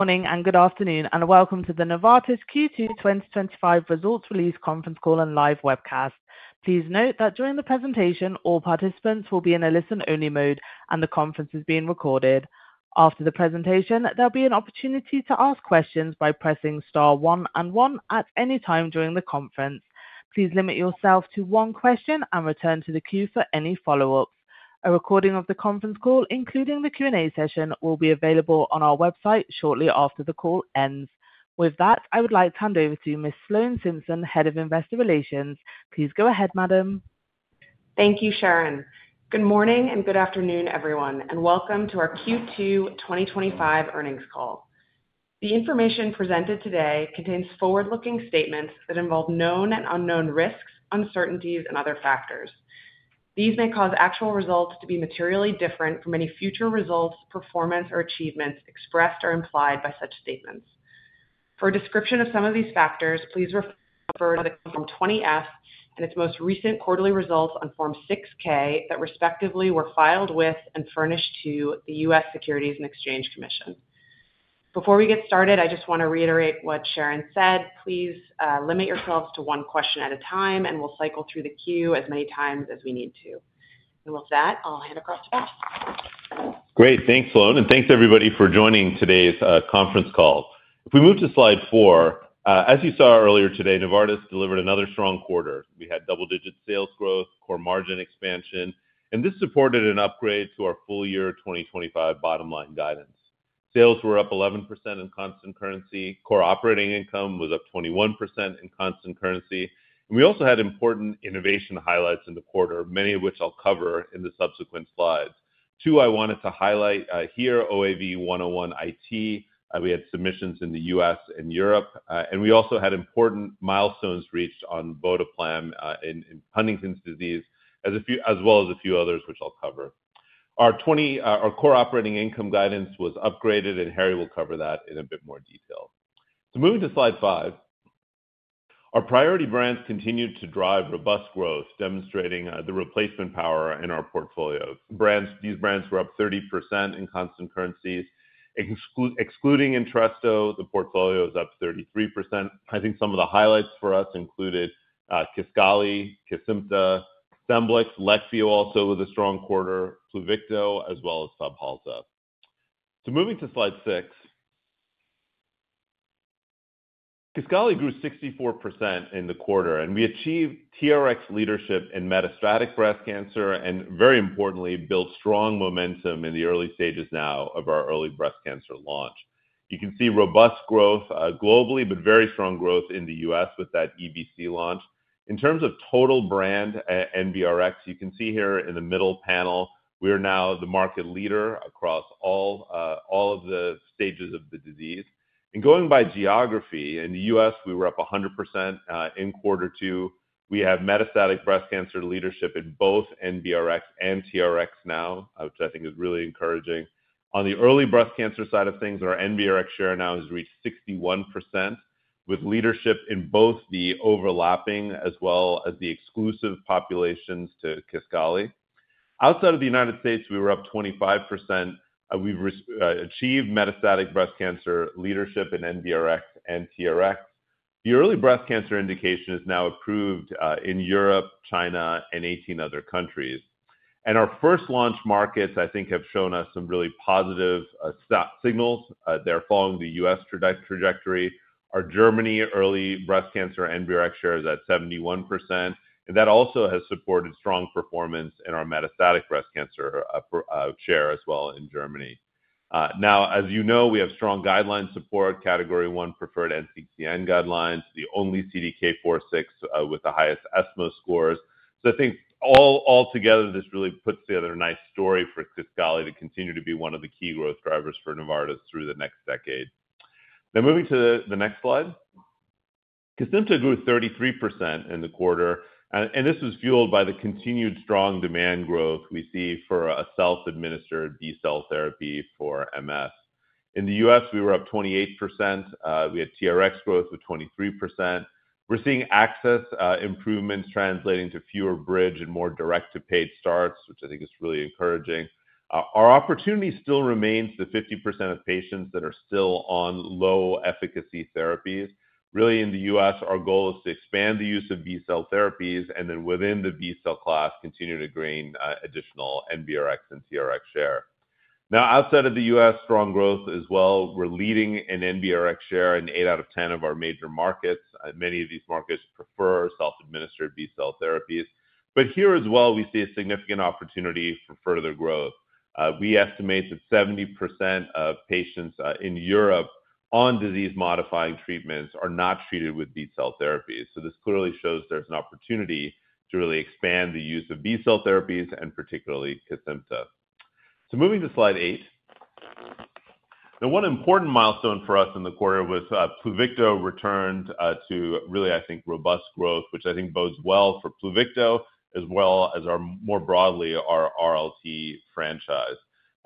Morning and good afternoon, and welcome to the Novartis Q2 2025 Results Release Conference Call and Live Webcast. Please note that during the presentation, all participants will be in a listen-only mode, and the conference is being recorded. After the presentation, there will be an opportunity to ask questions by pressing star one and one at any time during the conference. Please limit yourself to one question and return to the queue for any follow-ups. A recording of the conference call, including the Q&A session, will be available on our website shortly after the call ends. With that, I would like to hand over to Ms. Sloan Simpson, Head of Investor Relations. Please go ahead, Madam. Thank you, Sharon. Good morning and good afternoon, everyone, and welcome to our Q2 2025 earnings call. The information presented today contains forward-looking statements that involve known and unknown risks, uncertainties, and other factors. These may cause actual results to be materially different from any future results, performance, or achievements expressed or implied by such statements. For a description of some of these factors, please refer to Form 20-F and its most recent quarterly results on Form 6-K that respectively were filed with and furnished to the U.S. Securities and Exchange Commission. Before we get started, I just want to reiterate what Sharon said. Please limit yourselves to one question at a time, and we'll cycle through the queue as many times as we need to. With that, I'll hand across to Vas. Great. Thanks, Sloan, and thanks, everybody, for joining today's conference call. If we move to slide four, as you saw earlier today, Novartis delivered another strong quarter. We had double-digit sales growth, core margin expansion, and this supported an upgrade to our full year 2025 bottom line guidance. Sales were up 11% in constant currency. Core operating income was up 21% in constant currency. We also had important innovation highlights in the quarter, many of which I'll cover in the subsequent slides. Two I wanted to highlight here: OAV101 IT. We had submissions in the U.S. and Europe. We also had important milestones reached on Votoplam in Huntington's disease, as well as a few others, which I'll cover. Our core operating income guidance was upgraded, and Harry will cover that in a bit more detail. Moving to slide five, our priority brands continued to drive robust growth, demonstrating the replacement power in our portfolio. These brands were up 30% in constant currencies. Excluding Entresto, the portfolio is up 33%. I think some of the highlights for us included KISQALI, Kesimpta, SCEMBLIX, LEQVIO also with a strong quarter, PLUVICTO, as well as Fabhalta. Moving to slide six, KISQALI grew 64% in the quarter, and we achieved TRx leadership in metastatic breast cancer and, very importantly, built strong momentum in the early stages now of our early breast cancer launch. You can see robust growth glob ally, but very strong growth in the U.S. with that eBC launch. In terms of total brand and NBRx, you can see here in the middle panel, we are now the market leader across all of the stages of the disease. Going by geography, in the U.S., we were up 100% in quarter two. We have metastatic breast cancer leadership in both NBRx and TRx now, which I think is really encouraging. On the early breast cancer side of things, our NBRx share now has reached 61%, with leadership in both the overlapping as well as the exclusive populations to KISQALI. Outside of the U.S., we were up 25%. We've achieved metastatic breast cancer leadership in NBRx and TRx. The early breast cancer indication is now approved in Europe, China, and 18 other countries. Our first launch markets, I think, have shown us some really positive signals. They're following the U.S. trajectory. Our Germany early breast cancer NBRx share is at 71%. That also has supported strong performance in our metastatic breast cancer share as well in Germany. Now, as you know, we have strong guideline support, category one preferred NCCN Guidelines, the only CDK4/6 with the highest ESMO scores. I think all together, this really puts together a nice story for KISQALI to continue to be one of the key growth drivers for Novartis through the next decade. Now, moving to the next slide, Kesimpta grew 33% in the quarter. This was fueled by the continued strong demand growth we see for a self-administered B-cell therapy for MS. In the U.S., we were up 28%. We had TRx growth of 23%. We're seeing access improvements translating to fewer bridge and more direct-to-paid starts, which I think is really encouraging. Our opportunity still remains the 50% of patients that are still on low efficacy therapies. Really, in the U.S., our goal is to expand the use of B-cell therapies and then within the B-cell class continue to gain additional NBRx and TRx share. Now, outside of the U.S., strong growth as well. We're leading in NBRx share in eight out of 10 of our major markets. Many of these markets prefer self-administered B-cell therapies. Here as well, we see a significant opportunity for further growth. We estimate that 70% of patients in Europe on disease-modifying treatments are not treated with B-cell therapies. This clearly shows there's an opportunity to really expand the use of B-cell therapies and particularly Kesimpta. Moving to slide eight. One important milestone for us in the quarter was PLUVICTO returned to really, I think, robust growth, which I think bodes well for PLUVICTO as well as more broadly our RLT franchise.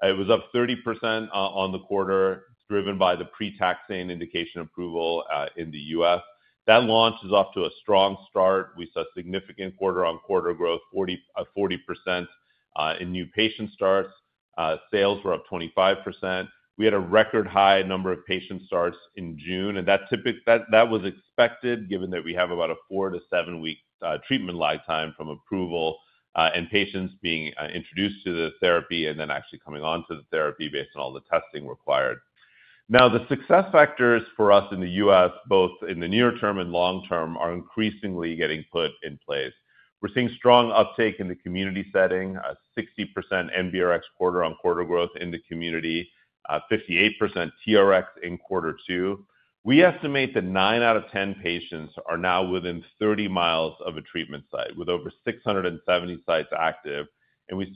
It was up 30% on the quarter, driven by the pre-taxing indication approval in the U.S. That launch is off to a strong start. We saw significant quarter-on-quarter growth, 40% in new patient starts. Sales were up 25%. We had a record high number of patient starts in June, and that was expected given that we have about a four- to seven-week treatment lag time from approval and patients being introduced to the therapy and then actually coming on to the therapy based on all the testing required. Now, the success factors for us in the U.S., both in the near term and long term, are increasingly getting put in place. We're seeing strong uptake in the community setting, a 60% NBRx quarter-on-quarter growth in the community, 58% TRx in quarter two. We estimate that nine out of ten patients are now within 30 miles of a treatment site with over 670 sites active. We have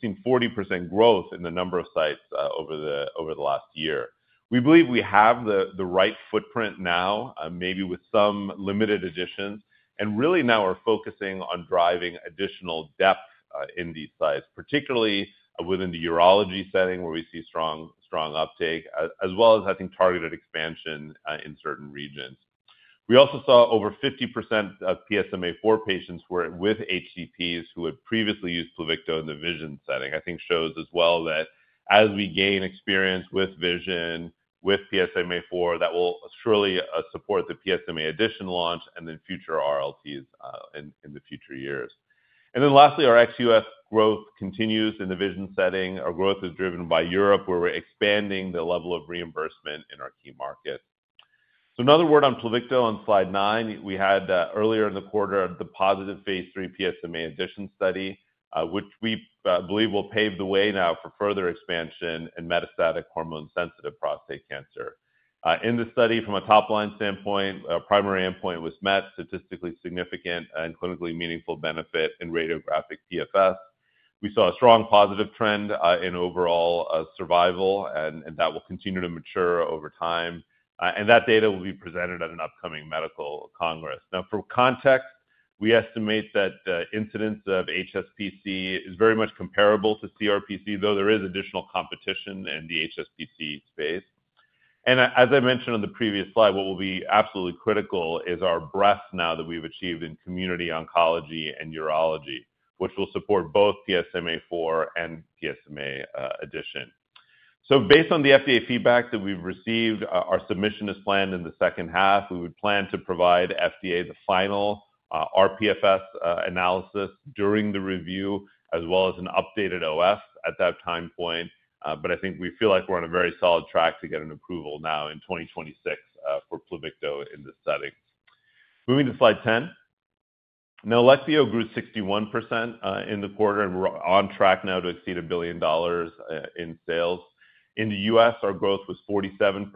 seen 40% growth in the number of sites over the last year. We believe we have the right footprint now, maybe with some limited additions. Really now we are focusing on driving additional depth in these sites, particularly within the urology setting where we see strong uptake, as well as, I think, targeted expansion in certain regions. We also saw over 50% of PSMAfore patients with HCPs who had previously used PLUVICTO in the vision setting. I think it shows as well that as we gain experience with vision, with PSMAfore, that will surely support the PSMA addition launch and then future RLTs in the future years. Lastly, our Ex-US growth continues in the vision setting. Our growth is driven by Europe, where we're expanding the level of reimbursement in our key markets. Another word on PLUVICTO on slide nine, we had earlier in the quarter the positive phase III PSMA addition study, which we believe will pave the way now for further expansion in metastatic hormone-sensitive prostate cancer. In the study, from a top-line standpoint, our primary endpoint was met, statistically significant and clinically meaningful benefit in radiographic PFS. We saw a strong positive trend in overall survival, and that will continue to mature over time. That data will be presented at an upcoming medical congress. For context, we estimate that incidence of HSPC is very much comparable to CRPC, though there is additional competition in the HSPC space. As I mentioned on the previous slide, what will be absolutely critical is our breadth now that we've achieved in community oncology and urology, which will support both PSMAfore and PSMA addition. Based on the FDA feedback that we've received, our submission is planned in the second half. We would plan to provide FDA the final rPFS analysis during the review, as well as an updated OS at that time point. I think we feel like we're on a very solid track to get an approval now in 2026 for PLUVICTO in this setting. Moving to slide 10. Now, LEQVIO grew 61% in the quarter and we're on track now to exceed $1 billion in sales. In the U.S., our growth was 47%,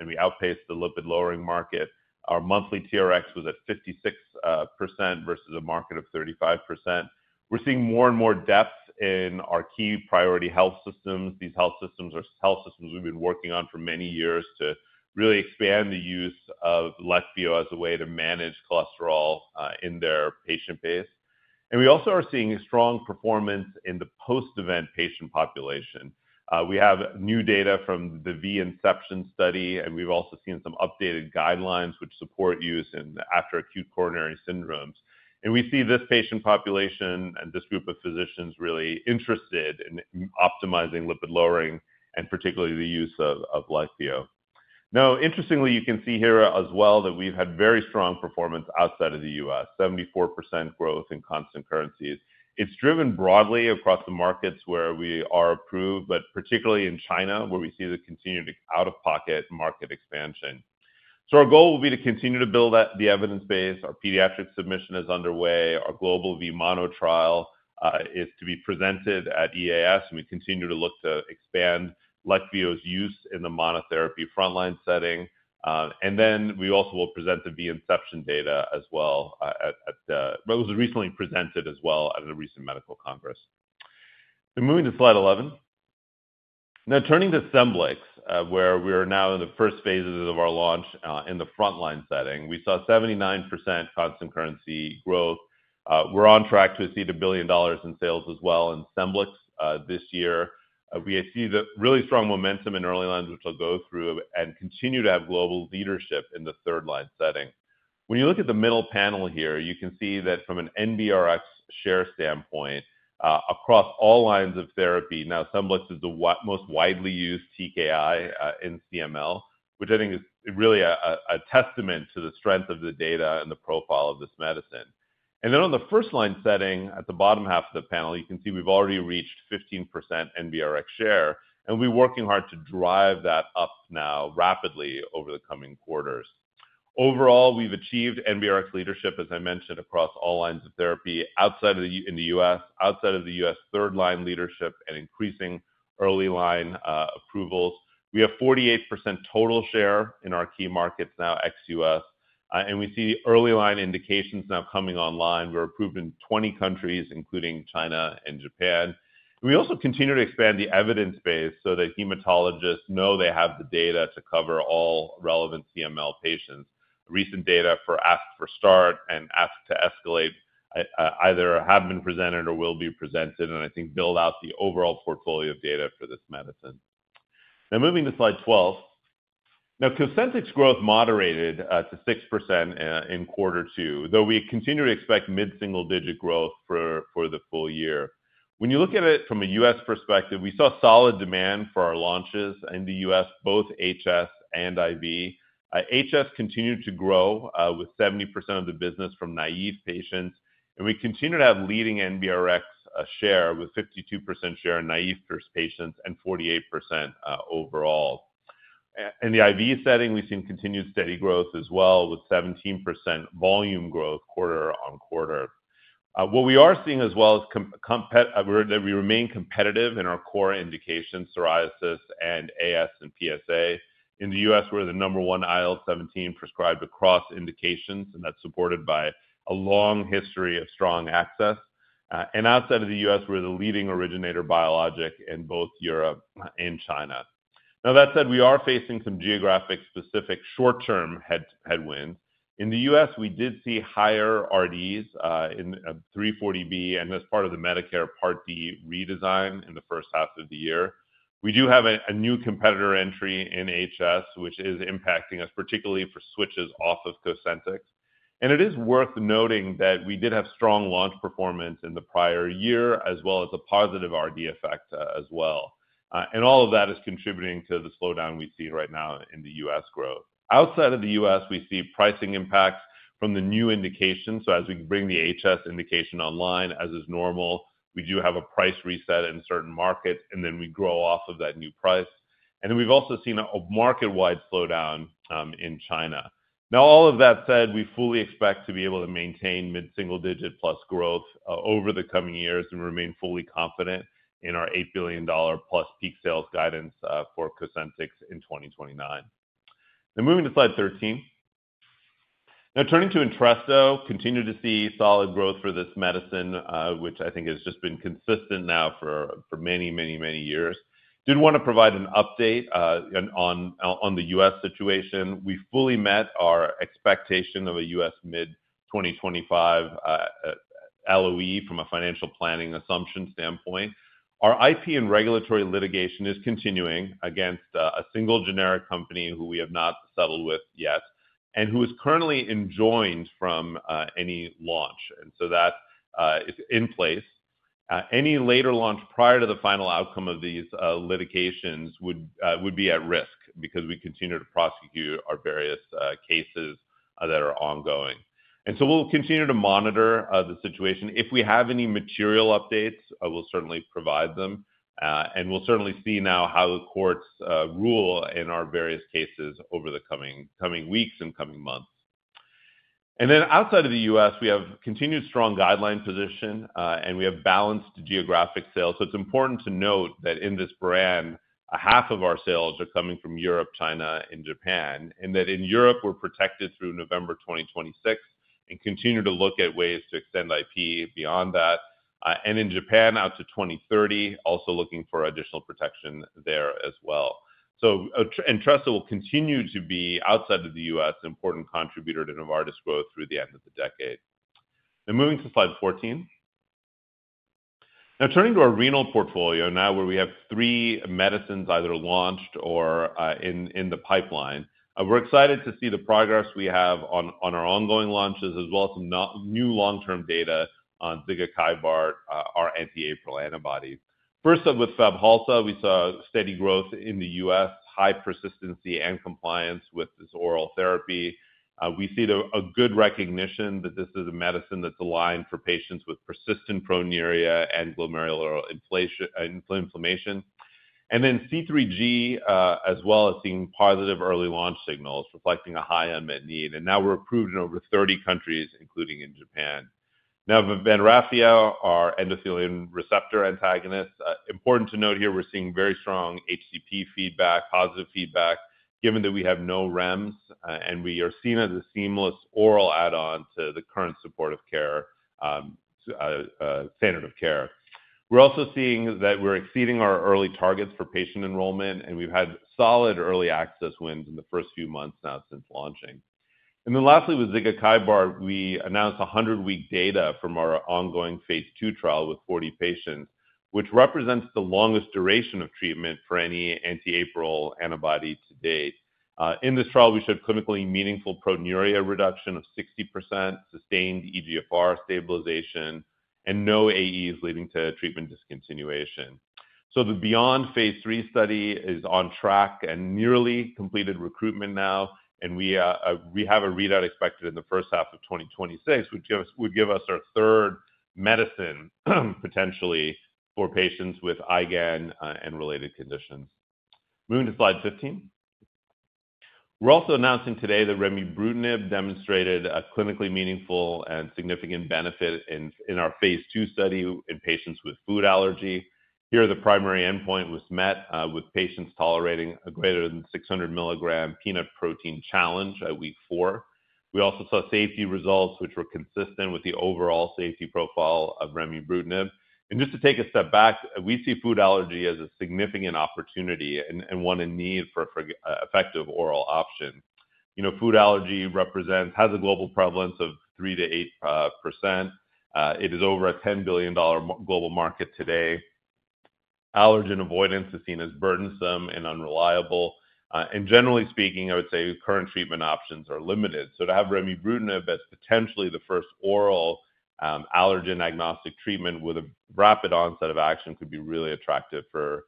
and we outpaced the lipid-lowering market. Our monthly TRx was at 56% versus a market of 35%. We're seeing more and more depth in our key priority health systems. These health systems are health systems we've been working on for many years to really expand the use of LEQVIO as a way to manage cholesterol in their patient base. We also are seeing strong performance in the post-event patient population. We have new data from the V-INCEPTION study, and we've also seen some updated guidelines which support use in after-acute coronary syndromes. We see this patient population and this group of physicians really interested in optimizing lipid-lowering and particularly the use of LEQVIO. Now, interestingly, you can see here as well that we've had very strong performance outside of the U.S., 74% growth in constant currencies. It's driven broadly across the markets where we are approved, but particularly in China, where we see the continued out-of-pocket market expansion. Our goal will be to continue to build the evidence base. Our pediatric submission is underway. Our global V-MONO trial is to be presented at EAS, and we continue to look to expand LEQVIO's use in the monotherapy frontline setting. We also will present the V-INCEPTION data as well. It was recently presented at a recent medical congress. Moving to slide 11. Now, turning to SCEMBLIX, where we are now in the first phases of our launch in the frontline setting, we saw 79% constant currency growth. We are on track to exceed $1 billion in sales as well in SCEMBLIX this year. We see really strong momentum in early lines, which I'll go through, and continue to have global leadership in the third line setting. When you look at the middle panel here, you can see that from an NBRx share standpoint across all lines of therapy, now SCEMBLIX is the most widely used TKI in CML, which I think is really a testament to the strength of the data and the profile of this medicine. On the first line setting at the bottom half of the panel, you can see we've already reached 15% NBRx share. We're working hard to drive that up now rapidly over the coming quarters. Overall, we've achieved NBRx leadership, as I mentioned, across all lines of therapy in the U.S., outside of the U.S. third line leadership and increasing early line approvals. We have 48% total share in our key markets now, Ex-US. We see early line indications now coming online. We're approved in 20 countries, including China and Japan. We also continue to expand the evidence base so that hematologists know they have the data to cover all relevant CML patients. Recent data for ASC4START and ASC2ESCALATE either have been presented or will be presented, and I think build out the overall portfolio of data for this medicine. Now, moving to slide 12. Cosentyx growth moderated to 6% in quarter two, though we continue to expect mid-single digit growth for the full year. When you look at it from a U.S. perspective, we saw solid demand for our launches in the U.S., both HS and IV. HS continued to grow with 70% of the business from naive patients. We continue to have leading NBRx share with 52% share in naive patients and 48% overall. In the IV setting, we have seen continued steady growth as well with 17% volume growth quarter-on-quarter. What we are seeing as well is that we remain competitive in our core indication, psoriasis and AS and PsA. In the U.S., we're the number one IL 17 prescribed across indications, and that's supported by a long history of strong access. Outside of the U.S., we're the leading originator biologic in both Europe and China. That said, we are facing some geographic-specific short-term headwinds. In the U.S., we did see higher RDs in 340B and as part of the Medicare Part D redesign in the first half of the year. We do have a new competitor entry in HS, which is impacting us, particularly for switches off of Cosentyx. It is worth noting that we did have strong launch performance in the prior year, as well as a positive RD effect as well. All of that is contributing to the slowdown we see right now in the U.S. growth. Outside of the U.S., we see pricing impacts from the new indication. As we bring the HS indication online, as is normal, we do have a price reset in certain markets, and then we grow off of that new price. We have also seen a market-wide slowdown in China. All of that said, we fully expect to be able to maintain mid-single digit plus growth over the coming years and remain fully confident in our $8 billion+ peak sales guidance for Cosentyx in 2029. Now, moving to slide 13. Turning to Entresto, we continue to see solid growth for this medicine, which I think has just been consistent now for many, many years. I did want to provide an update on the U.S. situation. We fully met our expectation of a U.S. mid-2025 LOE from a financial planning assumption standpoint. Our IP and regulatory litigation is continuing against a single generic company who we have not settled with yet and who is currently enjoined from any launch. That is in place. Any later launch prior to the final outcome of these litigations would be at risk because we continue to prosecute our various cases that are ongoing. We will continue to monitor the situation. If we have any material updates, we will certainly provide them. We will certainly see now how the courts rule in our various cases over the coming weeks and coming months. Outside of the U.S., we have continued strong guideline position, and we have balanced geographic sales. It's important to note that in this brand, half of our sales are coming from Europe, China, and Japan, and that in Europe, we're protected through November 2026 and continue to look at ways to extend IP beyond that. In Japan, out to 2030, also looking for additional protection there as well. Entresto will continue to be, outside of the U.S., an important contributor to Novartis growth through the end of the decade. Now, moving to slide 14. Turning to our renal portfolio now, where we have three medicines either launched or in the pipeline. We're excited to see the progress we have on our ongoing launches, as well as some new long-term data on Zigakibart, our anti-APRIL antibodies. First up with Fabhalta, we saw steady growth in the U.S., high persistency and compliance with this oral therapy. We see a good recognition that this is a medicine that's aligned for patients with persistent proteinuria and glomerular inflammation. C3G, as well as seeing positive early launch signals, reflects a high unmet need. We are now approved in over 30 countries, including in Japan. Now, Vanrafia, our endothelium receptor antagonist. Important to note here, we're seeing very strong HCP feedback, positive feedback, given that we have no REMS, and we are seen as a seamless oral add-on to the current standard of care. We're also seeing that we're exceeding our early targets for patient enrollment, and we've had solid early access wins in the first few months now since launching. Lastly, with Zigakibart, we announced 100-week data from our ongoing phase II trial with 40 patients, which represents the longest duration of treatment for any anti-APRIL antibody to date. In this trial, we showed clinically meaningful proteinuria reduction of 60%, sustained eGFR stabilization, and no AEs leading to treatment discontinuation. The BEYOND phase III study is on track and nearly completed recruitment now, and we have a readout expected in the first half of 2026, which would give us our third medicine potentially for patients with IgAN and related conditions. Moving to slide 15. We are also announcing today that Remibrutinib demonstrated a clinically meaningful and significant benefit in our phase II study in patients with food allergy. Here, the primary endpoint was met with patients tolerating a greater than 600 mg peanut protein challenge at week four. We also saw safety results, which were consistent with the overall safety profile of Remibrutinib. Just to take a step back, we see food allergy as a significant opportunity and one in need for an effective oral option. You know, food allergy has a global prevalence of 3%-8%. It is over a $10 billion global market today. Allergen avoidance is seen as burdensome and unreliable. Generally speaking, I would say current treatment options are limited. To have Remibrutinib as potentially the first oral allergen agnostic treatment with a rapid onset of action could be really attractive for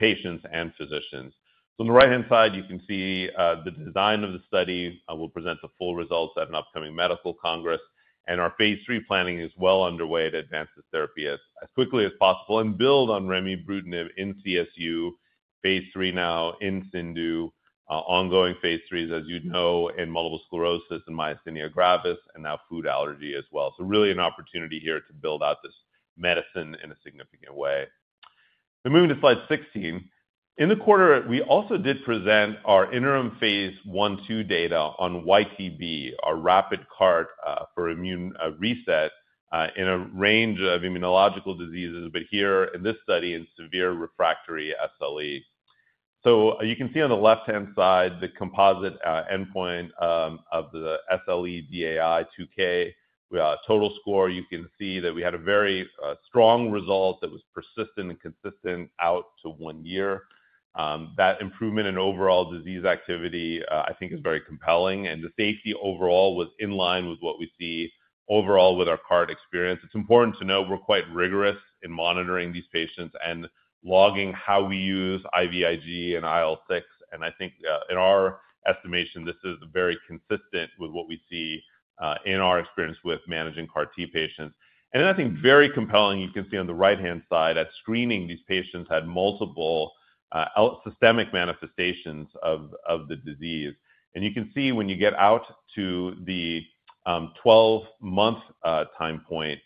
patients and physicians. On the right-hand side, you can see the design of the study. We will present the full results at an upcoming medical congress. Our phase III planning is well underway to advance this therapy as quickly as possible and build on Remibrutinib in CSU, phase III now in CINDU, ongoing phase IIIs, as you know, in multiple sclerosis and myasthenia gravis, and now food allergy as well. Really an opportunity here to build out this medicine in a significant way. Now, moving to slide 16. In the quarter, we also did present our interim phase I/II data on YTB, our rapid CAR-T for immune reset in a range of immunological diseases, but here in this study in severe refractory SLE. You can see on the left-hand side the composite endpoint of the SLEDAI-2K total score. You can see that we had a very strong result that was persistent and consistent out to one year. That improvement in overall disease activity, I think, is very compelling. The safety overall was in line with what we see overall with our CAR-T experience. It's important to note we're quite rigorous in monitoring these patients and logging how we use IVIg and IL-6. I think in our estimation, this is very consistent with what we see in our experience with managing CAR-T patients. I think very compelling, you can see on the right-hand side at screening, these patients had multiple systemic manifestations of the disease. You can see when you get out to the 12-month time point,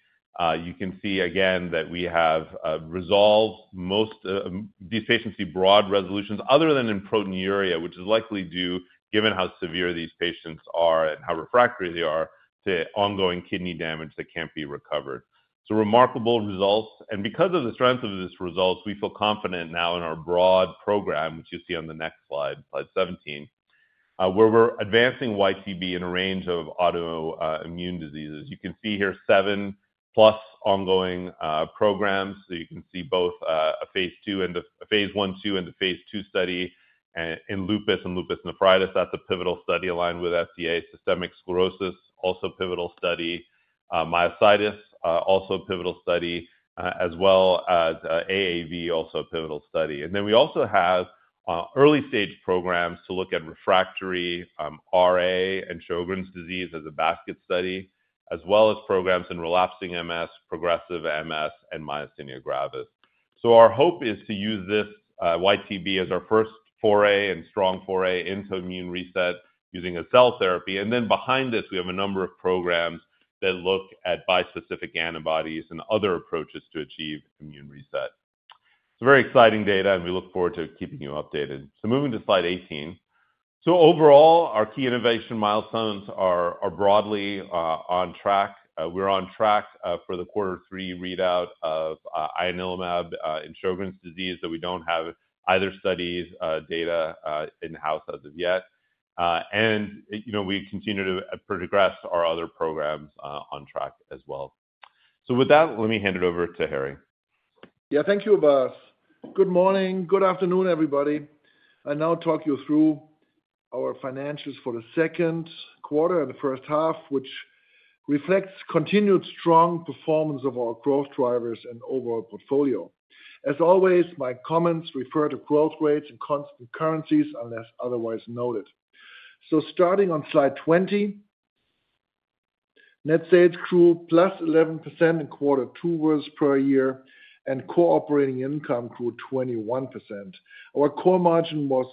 you can see again that we have resolved most of these patients see broad resolutions other than in proteinuria, which is likely due, given how severe these patients are and how refractory they are, to ongoing kidney damage that cannot be recovered. Remarkable results. Because of the strength of these results, we feel confident now in our broad program, which you'll see on the next slide, slide 17, where we're advancing YTB in a range of autoimmune diseases. You can see here seven plus ongoing programs. You can see both a phase II and a phase I/II and a phase II study in lupus and lupus nephritis. That's a pivotal study aligned with FDA. Systemic sclerosis, also a pivotal study. Myositis, also a pivotal study, as well as AAV, also a pivotal study. We also have early stage programs to look at refractory RA and Sjögren's disease as a basket study, as well as programs in relapsing MS, progressive MS, and myasthenia gravis. Our hope is to use this YTB as our first foray and strong foray into immune reset using a cell therapy. Behind this, we have a number of programs that look at bispecific antibodies and other approaches to achieve immune reset. It's very exciting data, and we look forward to keeping you updated. Moving to slide 18. Overall, our key innovation milestones are broadly on track. We're on track for the quarter three readout of ianalumab in Sjögren's disease, though we don't have either study's data in-house as of yet. And you know we continue to progress our other programs on track as well. So with that, let me hand it over to Harry. Yeah, thank you, Vas. Good morning. Good afternoon, everybody. I'll now talk you through our financials for the second quarter and the first half, which reflects continued strong performance of our growth drivers and overall portfolio. As always, my comments refer to growth rates and constant currencies unless otherwise noted. Starting on slide 20, net sales grew +11% in quarter two versus prior year, and core operating income grew 21%. Our core margin was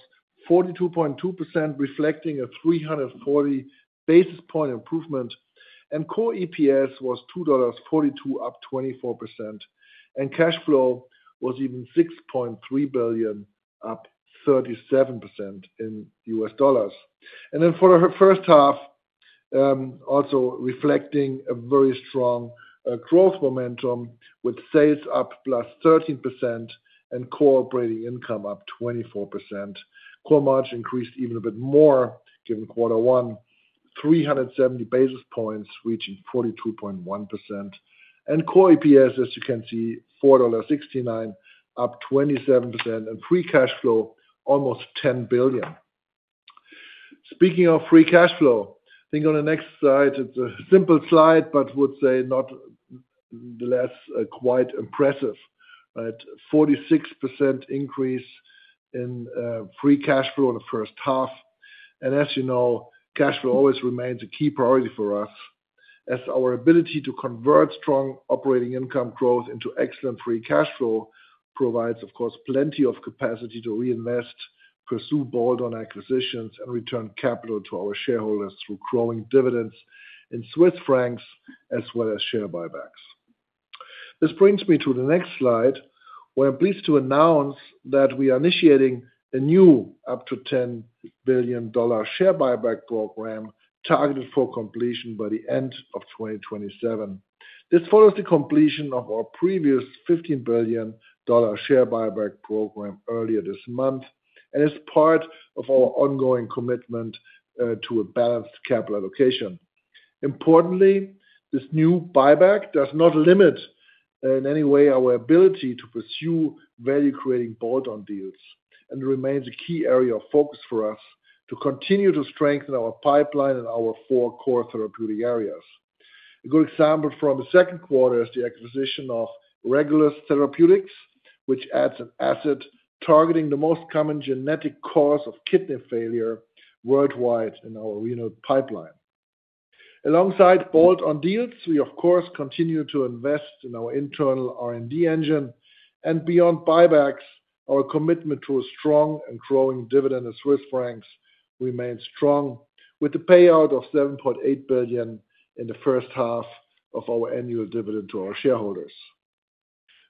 42.2%, reflecting a 340 basis point improvement. Core EPS was $2.42, up 24%. Cash flow was even $6.3 billion, up 37% in U.S. dollars. For the first half, also reflecting a very strong growth momentum with sales up +13% and operating income up 24%. Core margin increased even a bit more given quarter one, 370 basis points reaching 42.1%. Core EPS, as you can see, $4.69, up 27%, and free cash flow almost $10 billion. Speaking of free cash flow, I think on the next slide, it's a simple slide, but I would say not less quite impressive. Right? 46% increase in free cash flow in the first half. As you know, cash flow always remains a key priority for us, as our ability to convert strong operating income growth into excellent free cash flow provides, of course, plenty of capacity to reinvest, pursue board-owned acquisitions, and return capital to our shareholders through growing dividends in Swiss francs as well as share buybacks. This brings me to the next slide, where I'm pleased to announce that we are initiating a new up to $10 billion share buyback program targeted for completion by the end of 2027. This follows the completion of our previous $15 billion share buyback program earlier this month and is part of our ongoing commitment to a balanced capital allocation. Importantly, this new buyback does not limit in any way our ability to pursue value-creating board-owned deals and remains a key area of focus for us to continue to strengthen our pipeline and our four core therapeutic areas. A good example from the second quarter is the acquisition of Regulus Therapeutics, which adds an asset targeting the most common genetic cause of kidney failure worldwide in our renal pipeline. Alongside board-owned deals, we, of course, continue to invest in our internal R&D engine. Beyond buybacks, our commitment to a strong and growing dividend in Swiss francs remains strong, with the payout of $7.8 billion in the first half of our annual dividend to our shareholders.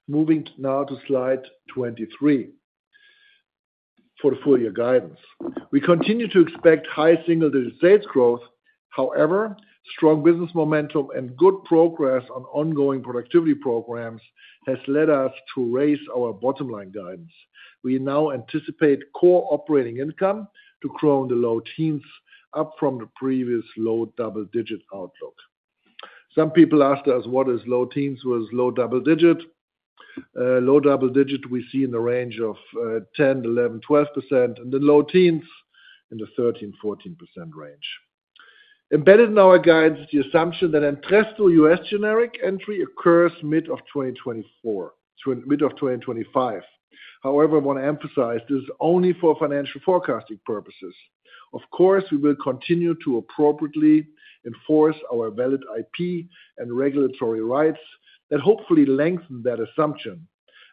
Moving now to slide 23 for the full year guidance. We continue to expect high single-digit sales growth. However, strong business momentum and good progress on ongoing productivity programs has led us to raise our bottom line guidance. We now anticipate core operating income to grow in the low teens, up from the previous low double-digit outlook. Some people asked us, what is low teens versus low double-digit? Low double-digit, we see in the range of 10-12%, and then low teens in the 13-14% range. Embedded in our guidance is the assumption that Entresto U.S. generic entry occurs mid of 2024 to mid of 2025. However, I want to emphasize this is only for financial forecasting purposes. Of course, we will continue to appropriately enforce our valid IP and regulatory rights that hopefully lengthen that assumption.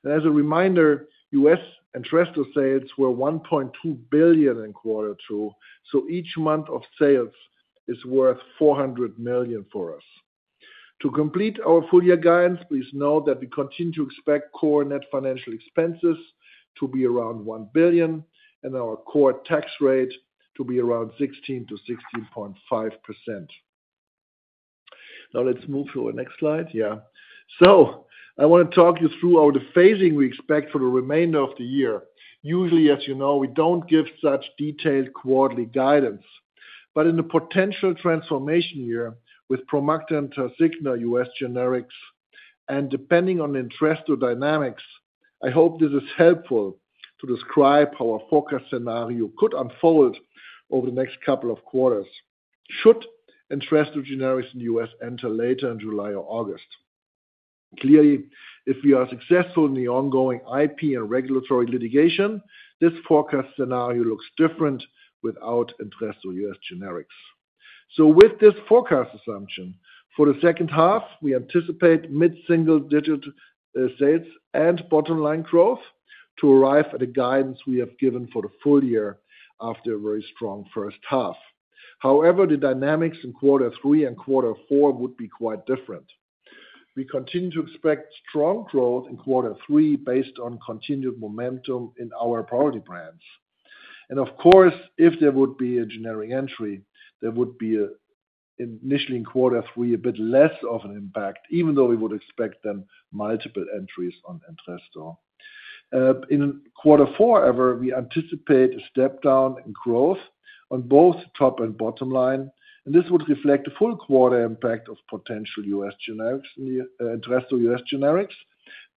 As a reminder, U.S. Entresto sales were $1.2 billion in quarter two, so each month of sales is worth $400 million for us. To complete our full year guidance, please note that we continue to expect core net financial expenses to be around $1 billion and our core tax rate to be around 16%-16.5%. Now let's move to the next slide. Yeah. I want to talk you through the phasing we expect for the remainder of the year. Usually, as you know, we do not give such detailed quarterly guidance, but in the potential transformation year with Promacta and Tasigna U.S. generics, and depending on Entresto dynamics, I hope this is helpful to describe how our forecast scenario could unfold over the next couple of quarters. Should Entresto generics in the U.S. enter later in July or August? Clearly, if we are successful in the ongoing IP and regulatory litigation, this forecast scenario looks different without Entresto U.S. generics. With this forecast assumption for the second half, we anticipate mid-single-digit sales and bottom line growth to arrive at the guidance we have given for the full year after a very strong first half. However, the dynamics in quarter three and quarter four would be quite different. We continue to expect strong growth in quarter three based on continued momentum in our priority brands. Of course, if there would be a generic entry, there would be initially in quarter three a bit less of an impact, even though we would expect then multiple entries on Entresto. In quarter four, however, we anticipate a step down in growth on both top and bottom line. This would reflect the full quarter impact of potential U.S. generics in the Entresto U.S. generics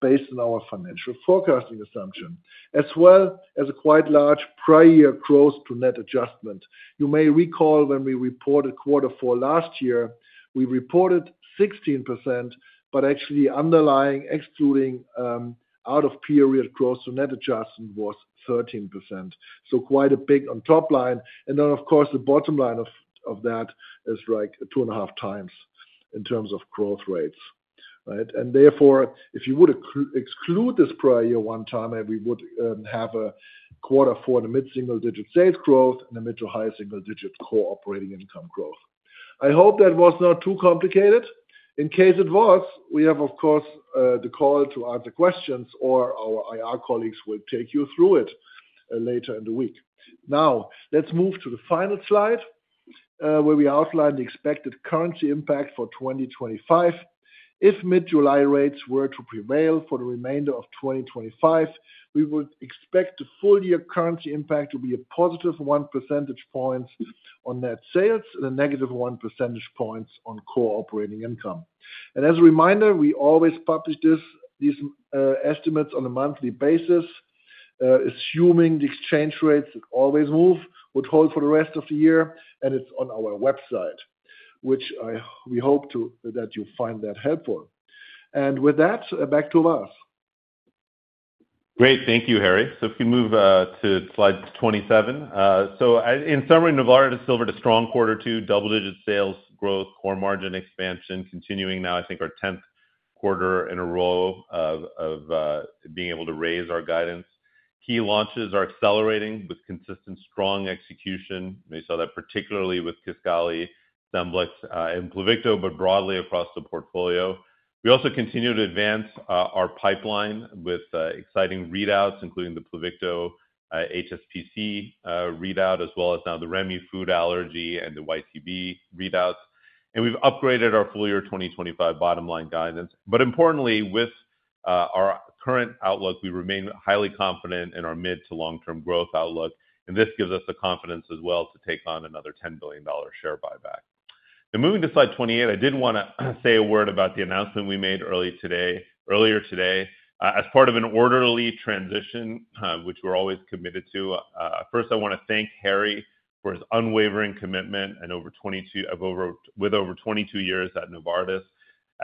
based on our financial forecasting assumption, as well as a quite large prior year growth to net adjustment. You may recall when we reported quarter four last year, we reported 16%, but actually the underlying excluding out-of-period growth to net adjustment was 13%. Quite a big on top line. Then, of course, the bottom line of that is like two and a half times in terms of growth rates. Right? Therefore, if you would exclude this prior year one time, we would have a quarter four and a mid-single-digit sales growth and a mid to high single-digit core operating income growth. I hope that was not too complicated. In case it was, we have, of course, the call to answer questions, or our IR colleagues will take you through it later in the week. Now, let's move to the final slide, where we outline the expected currency impact for 2025. If mid-July rates were to prevail for the remainder of 2025, we would expect the full year currency impact to be a +1% on net sales and a -1% on core operating income. As a reminder, we always publish these estimates on a monthly basis, assuming the exchange rates always move, would hold for the rest of the year, and it is on our website, which we hope that you find helpful. With that, back to Vas. Great. Thank you, Harry. If you can move to slide 27. In summary, Novartis delivered a strong quarter two, double-digit sales growth, core margin expansion, continuing now, I think, our 10th quarter in a row of being able to raise our guidance. Key launches are accelerating with consistent strong execution. We saw that particularly with KISQALI, SCEMBLIX, and PLUVICTO, but broadly across the portfolio. We also continue to advance our pipeline with exciting readouts, including the PLUVICTO HSPC readout, as well as now the Remi food allergy and the YTB readouts. We have upgraded our full year 2025 bottom line guidance. Importantly, with our current outlook, we remain highly confident in our mid to long-term growth outlook. This gives us the confidence as well to take on another $10 billion share buyback. Now, moving to slide 28, I did want to say a word about the announcement we made earlier today as part of an orderly transition, which we're always committed to. First, I want to thank Harry for his unwavering commitment and over 22, with over 22 years at Novartis.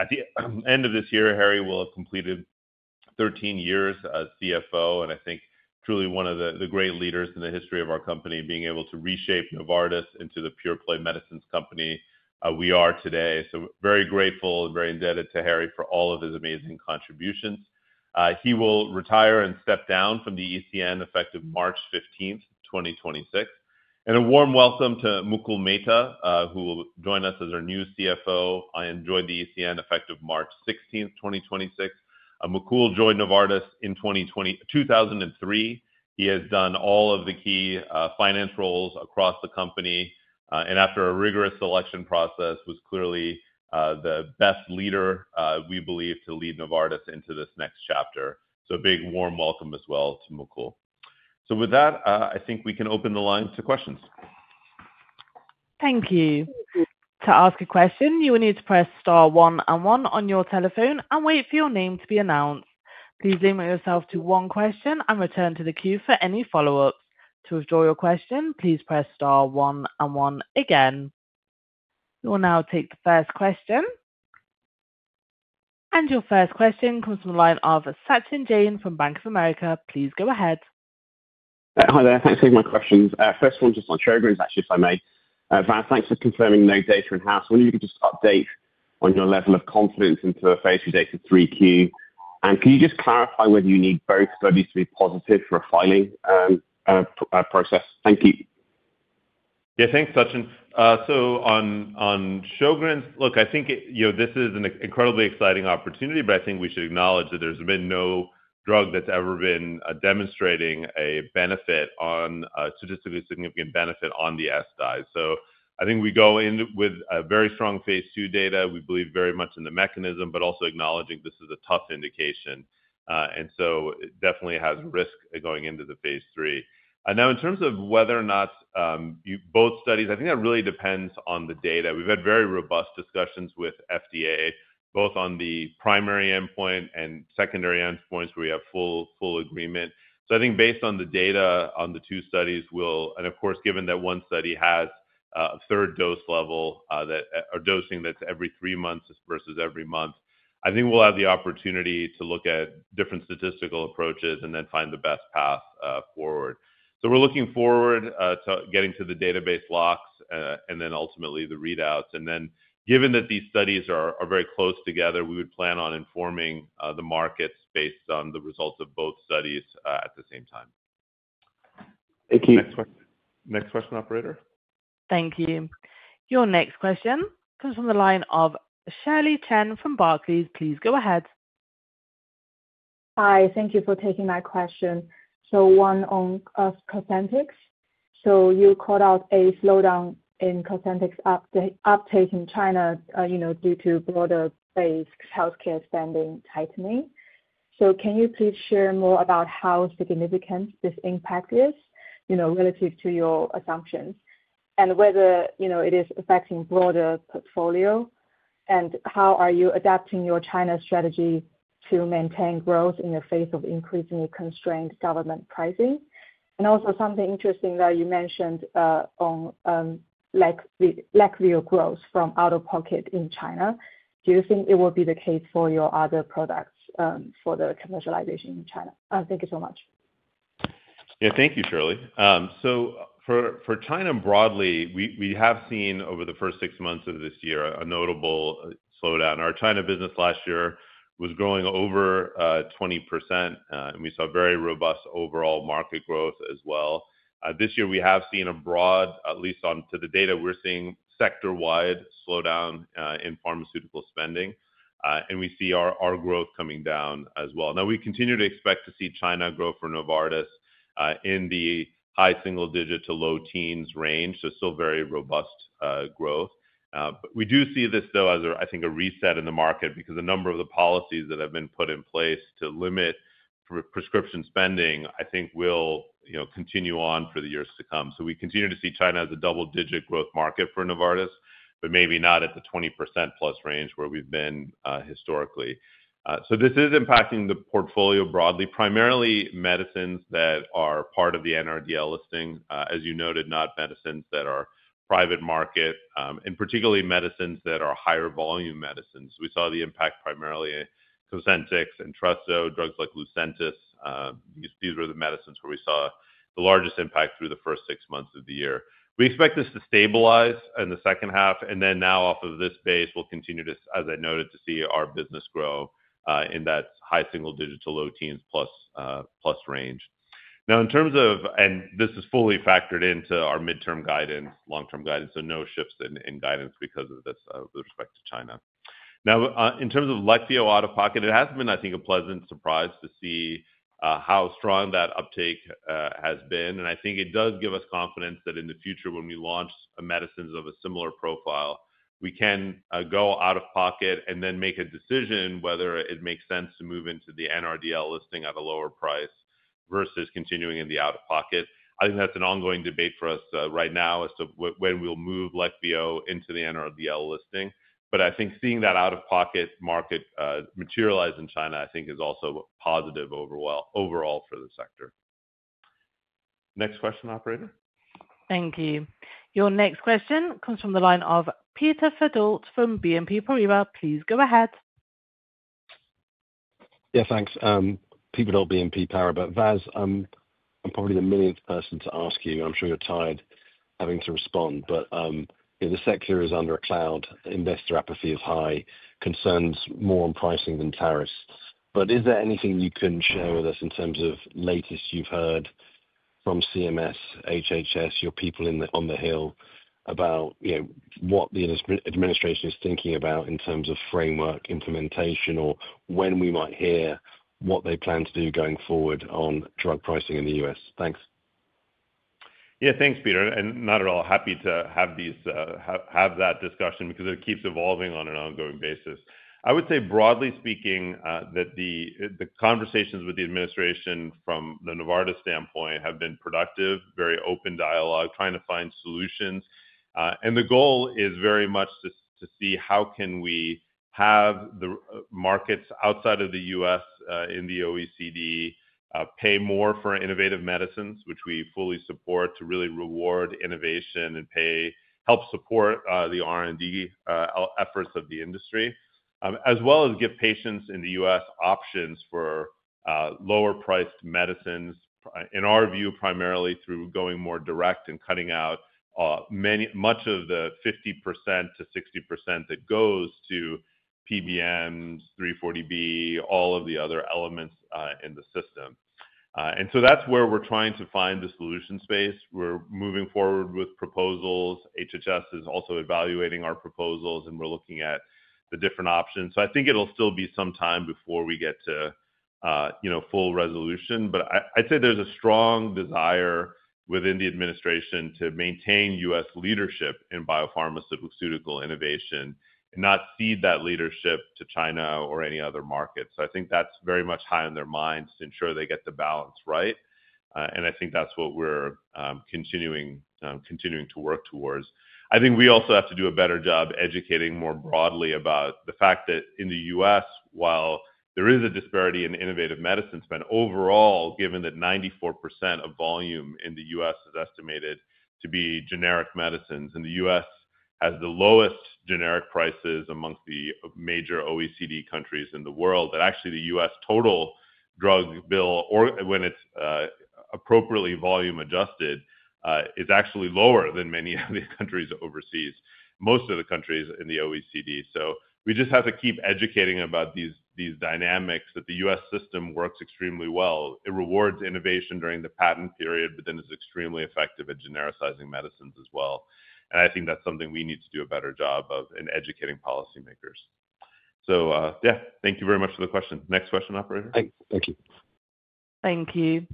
At the end of this year, Harry will have completed 13 years as CFO and I think truly one of the great leaders in the history of our company, being able to reshape Novartis into the pure play medicines company we are today. Very grateful and very indebted to Harry for all of his amazing contributions. He will retire and step down from the ECN effective March 15th, 2026. A warm welcome to Mukul Mehta, who will join us as our new CFO and join the ECN effective March 16th, 2026. Mukul joined Novartis in 2003. He has done all of the key finance roles across the company. After a rigorous selection process, he was clearly the best leader, we believe, to lead Novartis into this next chapter. A big warm welcome as well to Mukul. With that, I think we can open the line to questions. Thank you. To ask a question, you will need to press star one and one on your telephone and wait for your name to be announced. Please limit yourself to one question and return to the queue for any follow-ups. To withdraw your question, please press star one and one again. We will now take the first question. Your first question comes from the line of Sachin Jain from Bank of America. Please go ahead. Hi there. Thanks for taking my questions. First one on Sjögren's, actually, if I may. Vas, thanks for confirming no data in-house. When you can just update on your level of confidence into a phase II data 3Q. Can you just clarify whether you need both studies to be positive for a filing process? Thank you. Yeah, thanks, Sachin. On Sjögren's, look, I think this is an incredibly exciting opportunity, but I think we should acknowledge that there's been no drug that's ever been demonstrating a benefit, a statistically significant benefit on the SI. I think we go in with a very strong phase II data. We believe very much in the mechanism, but also acknowledging this is a tough indication. It definitely has risk going into the phase III. Now, in terms of whether or not both studies, I think that really depends on the data. We've had very robust discussions with FDA, both on the primary endpoint and secondary endpoints where we have full agreement. I think based on the data on the two studies, we'll, and of course, given that one study has a third dose level or dosing that's every three months versus every month, I think we'll have the opportunity to look at different statistical approaches and then find the best path forward. We're looking forward to getting to the database locks and then ultimately the readouts. And then given that these studies are very close together, we would plan on informing the markets based on the results of both studies at the same time. Thank you. Next question, Operator. Thank you. Your next question comes from the line of Shirley Chen from Barclays. Please go ahead. Hi. Thank you for taking my question. One on Cosentyx. You called out a slowdown in Cosentyx uptake in China due to broader-based healthcare spending tightening. Can you please share more about how significant this impact is relative to your assumptions and whether it is affecting the broader portfolio? How are you adapting your China strategy to maintain growth in the face of increasingly constrained government pricing? Also, something interesting that you mentioned on lack of growth from out-of-pocket in China. Do you think it will be the case for your other products for the commercialization in China? Thank you so much. Yeah, thank you, Shirley. For China broadly, we have seen over the first six months of this year a notable slowdown. Our China business last year was growing over 20%, and we saw very robust overall market growth as well. This year, we have seen a broad, at least on to the data we're seeing, sector-wide slowdown in pharmaceutical spending. We see our growth coming down as well. We continue to expect to see China grow for Novartis in the high single-digit to low teens range. Still very robust growth. We do see this, though, as I think a reset in the market because a number of the policies that have been put in place to limit prescription spending, I think, will continue on for the years to come. We continue to see China as a double-digit growth market for Novartis, but maybe not at the 20% plus range where we've been historically. This is impacting the portfolio broadly, primarily medicines that are part of the NRDL listing, as you noted, not medicines that are private market, and particularly medicines that are higher volume medicines. We saw the impact primarily in Cosentyx and Entresto, drugs like Lucentis. These were the medicines where we saw the largest impact through the first six months of the year. We expect this to stabilize in the second half. Now off of this base, we'll continue to, as I noted, to see our business grow in that high single-digit to low teens plus range. In terms of, and this is fully factored into our midterm guidance, long-term guidance, so no shifts in guidance because of this with respect to China. In terms of LEQVIO out-of-pocket, it has been, I think, a pleasant surprise to see how strong that uptake has been. I think it does give us confidence that in the future, when we launch medicines of a similar profile, we can go out-of-pocket and then make a decision whether it makes sense to move into the NRDL listing at a lower price versus continuing in the out-of-pocket. I think that is an ongoing debate for us right now as to when we will move LEQVIO into the NRDL listing. I think seeing that out-of-pocket market materialize in China, I think, is also positive overall for the sector. Next question, Operator. Thank you. Your next question comes from the line of Peter Verdult from BNP Paribas. Please go ahead. Yeah, thanks. Peter Verdult, BNP Paribas. Vas, I'm probably the millionth person to ask you. I'm sure you're tired having to respond, but the sector is under a cloud. Investor apathy is high. Concerns more on pricing than tariffs. Is there anything you can share with us in terms of latest you've heard from CMS, HHS, your people on the hill about what the administration is thinking about in terms of framework implementation or when we might hear what they plan to do going forward on drug pricing in the U.S.? Thanks. Yeah, thanks, Peter. Not at all, happy to have that discussion because it keeps evolving on an ongoing basis. I would say, broadly speaking, that the conversations with the administration from the Novartis standpoint have been productive, very open dialogue, trying to find solutions. The goal is very much to see how we can have the markets outside of the U.S. in the OECD pay more for innovative medicines, which we fully support, to really reward innovation and help support the R&D efforts of the industry, as well as give patients in the U.S. options for lower-priced medicines, in our view, primarily through going more direct and cutting out much of the 50%-60% that goes to PBMs, 340B, all of the other elements in the system. That is where we are trying to find the solution space. We are moving forward with proposals. HHS is also evaluating our proposals, and we're looking at the different options. I think it'll still be some time before we get to full resolution. I'd say there's a strong desire within the administration to maintain U.S. leadership in biopharmaceutical innovation and not cede that leadership to China or any other market. I think that's very much high on their minds to ensure they get the balance right. I think that's what we're continuing to work towards. I think we also have to do a better job educating more broadly about the fact that in the U.S., while there is a disparity in innovative medicine spend overall, given that 94% of volume in the U.S. is estimated to be generic medicines, and the U.S. has the lowest generic prices amongst the major OECD countries in the world, that actually the U.S. total drug bill, when it's appropriately volume adjusted, is actually lower than many of the countries overseas, most of the countries in the OECD. We just have to keep educating about these dynamics that the U.S. system works extremely well. It rewards innovation during the patent period, but then is extremely effective at genericizing medicines as well. I think that's something we need to do a better job of in educating policymakers. Yeah, thank you very much for the question. Next question, Operator. Thank you.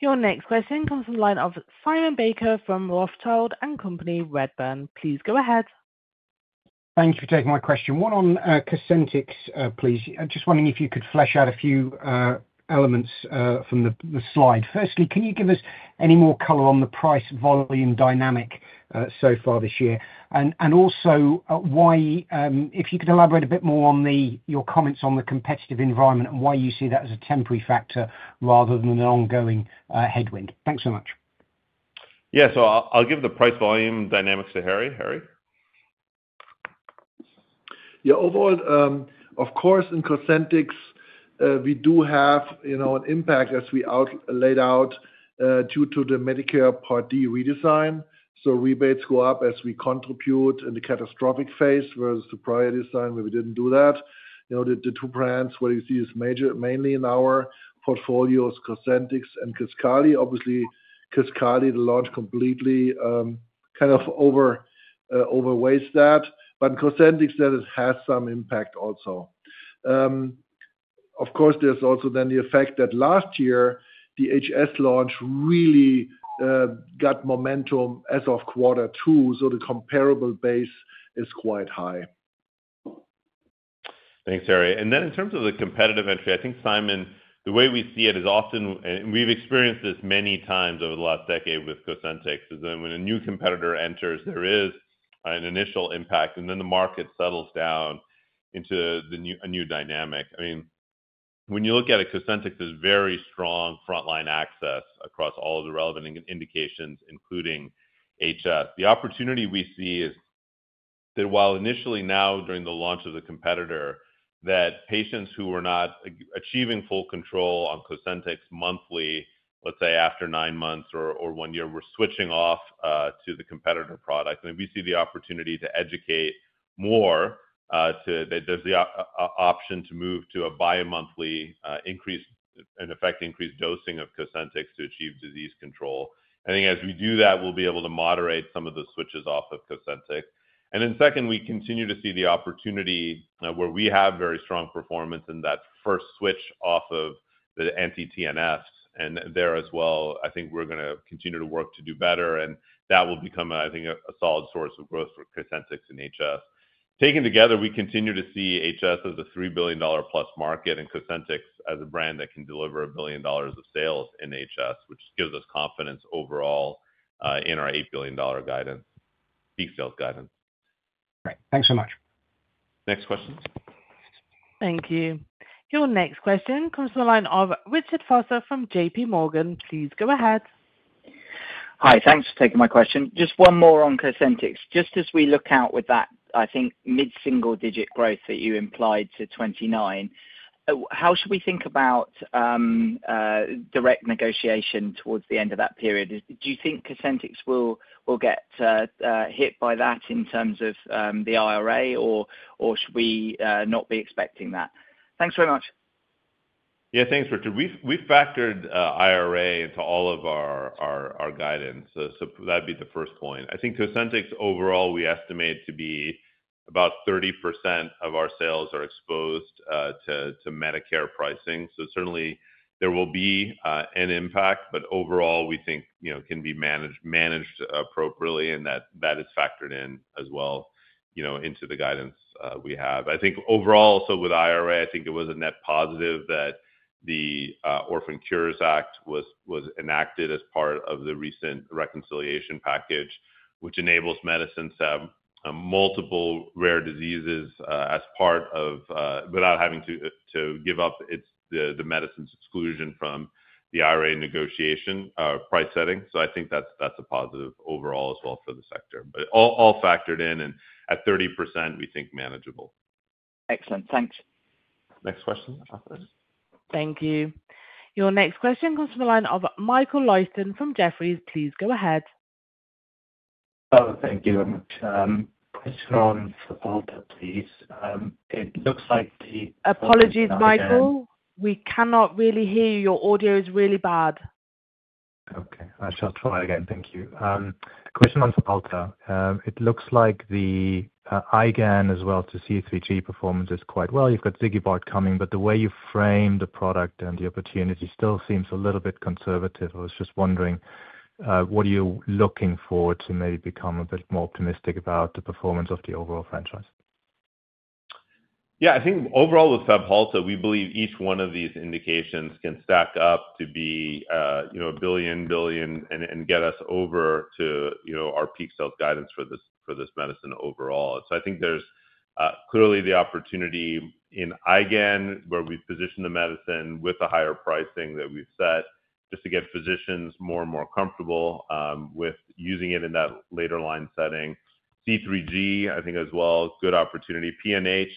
Your next question comes from the line of Simon Baker from Rothschild and Company Redburn. Please go ahead. Thank you for taking my question. One on Cosentyx, please. Just wondering if you could flesh out a few elements from the slide. Firstly, can you give us any more color on the price volume dynamic so far this year? Also, if you could elaborate a bit more on your comments on the competitive environment and why you see that as a temporary factor rather than an ongoing headwind. Thanks so much. Yeah, so I'll give the price volume dynamics to Harry. Harry? Yeah, overall, of course, in Cosentyx, we do have an impact as we laid out due to the Medicare Part D redesign. Rebates go up as we contribute in the catastrophic phase versus the prior design where we did not do that. The two brands where you see is major mainly in our portfolios, Cosentyx and KISQALI. Obviously, KISQALI launched completely kind of overweighs that. Cosentyx has some impact also. Of course, there is also then the effect that last year, the HS launch really got momentum as of quarter two. The comparable base is quite high. Thanks, Harry. In terms of the competitive entry, I think, Simon, the way we see it is often, and we have experienced this many times over the last decade with Cosentyx, is that when a new competitor enters, there is an initial impact, and then the market settles down into a new dynamic. I mean, when you look at it, Cosentyx is very strong frontline access across all of the relevant indications, including HS. The opportunity we see is that while initially now during the launch of the competitor, patients who were not achieving full control on Cosentyx monthly, let's say after nine months or one year, were switching off to the competitor product. We see the opportunity to educate more that there's the option to move to a bi-monthly increase and effect increased dosing of Cosentyx to achieve disease control. I think as we do that, we'll be able to moderate some of the switches off of Cosentyx. Second, we continue to see the opportunity where we have very strong performance in that first switch off of the anti-TNFs. There as well, I think we're going to continue to work to do better. That will become, I think, a solid source of growth for Cosentyx and HS. Taken together, we continue to see HS as a $3+ billion market and Cosentyx as a brand that can deliver $1 billion of sales in HS, which gives us confidence overall in our $8 billion peak sales guidance. Great. Thanks so much. Next question. Thank you. Your next question comes from the line of Richard Vosser from JP Morgan. Please go ahead. Hi. Thanks for taking my question. Just one more on Cosentyx. Just as we look out with that, I think, mid-single-digit growth that you implied to 2029, how should we think about direct negotiation towards the end of that period? Do you think Cosentyx will get hit by that in terms of the IRA, or should we not be expecting that? Thanks very much. Yeah, thanks, Richard. We've factored IRA into all of our guidance. So that'd be the first point. I think Cosentyx overall, we estimate to be about 30% of our sales are exposed to Medicare pricing. Certainly, there will be an impact, but overall, we think can be managed appropriately, and that is factored in as well into the guidance we have. I think overall, also with IRA, I think it was a net positive that the Orphan Cures Act was enacted as part of the recent reconciliation package, which enables medicines to have multiple rare diseases as part of without having to give up the medicines exclusion from the IRA negotiation price setting. I think that's a positive overall as well for the sector. All factored in, and at 30%, we think manageable. Excellent. Thanks. Next question, operator. Thank you. Your next question comes from the line of Michael Leuchten from Jefferies. Please go ahead. Thank you very much. It looks like the. Apologies, Michael. We cannot really hear you. Your audio is really bad. Okay. I shall try again. Thank you. Question on Fabhalta. It looks like the IgAN as well to C3G performance is quite well. You've got Zigakibart coming, but the way you frame the product and the opportunity still seems a little bit conservative. I was just wondering, what are you looking for to maybe become a bit more optimistic about the performance of the overall franchise? Yeah, I think overall with Fabhalta, we believe each one of these indications can stack up to be a billion, billion, and get us over to our peak sales guidance for this medicine overall. I think there's clearly the opportunity in IgAN, where we've positioned the medicine with the higher pricing that we've set just to get physicians more and more comfortable with using it in that later line setting. C3G, I think as well, good opportunity. PNH,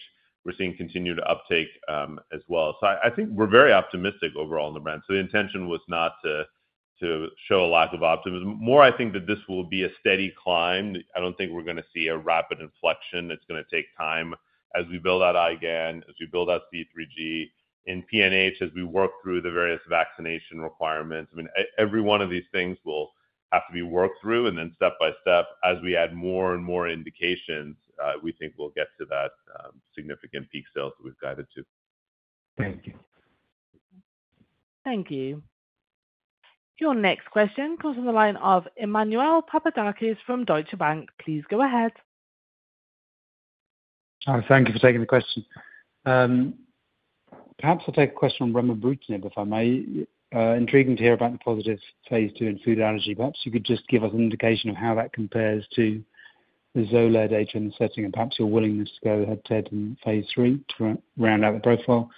we're seeing continued uptake as well. I think we're very optimistic overall in the brand. The intention was not to show a lack of optimism. More, I think that this will be a steady climb. I don't think we're going to see a rapid inflection. It's going to take time as we build out IgAN, as we build out C3G, in PNH, as we work through the various vaccination requirements. I mean, every one of these things will have to be worked through, and then step by step, as we add more and more indications, we think we'll get to that significant peak sales that we've guided to. Thank you. Thank you. Your next question comes from the line of Emmanuel Papadakis from Deutsche Bank. Please go ahead. Thank you for taking the question. Perhaps I'll take a question on Remibrutinib, if I may. Intriguing to hear about the positive phase II in food allergy. Perhaps you could just give us an indication of how that compares to the Xolair data in the setting and perhaps your willingness to go head-to-head in phase III to round out the profile.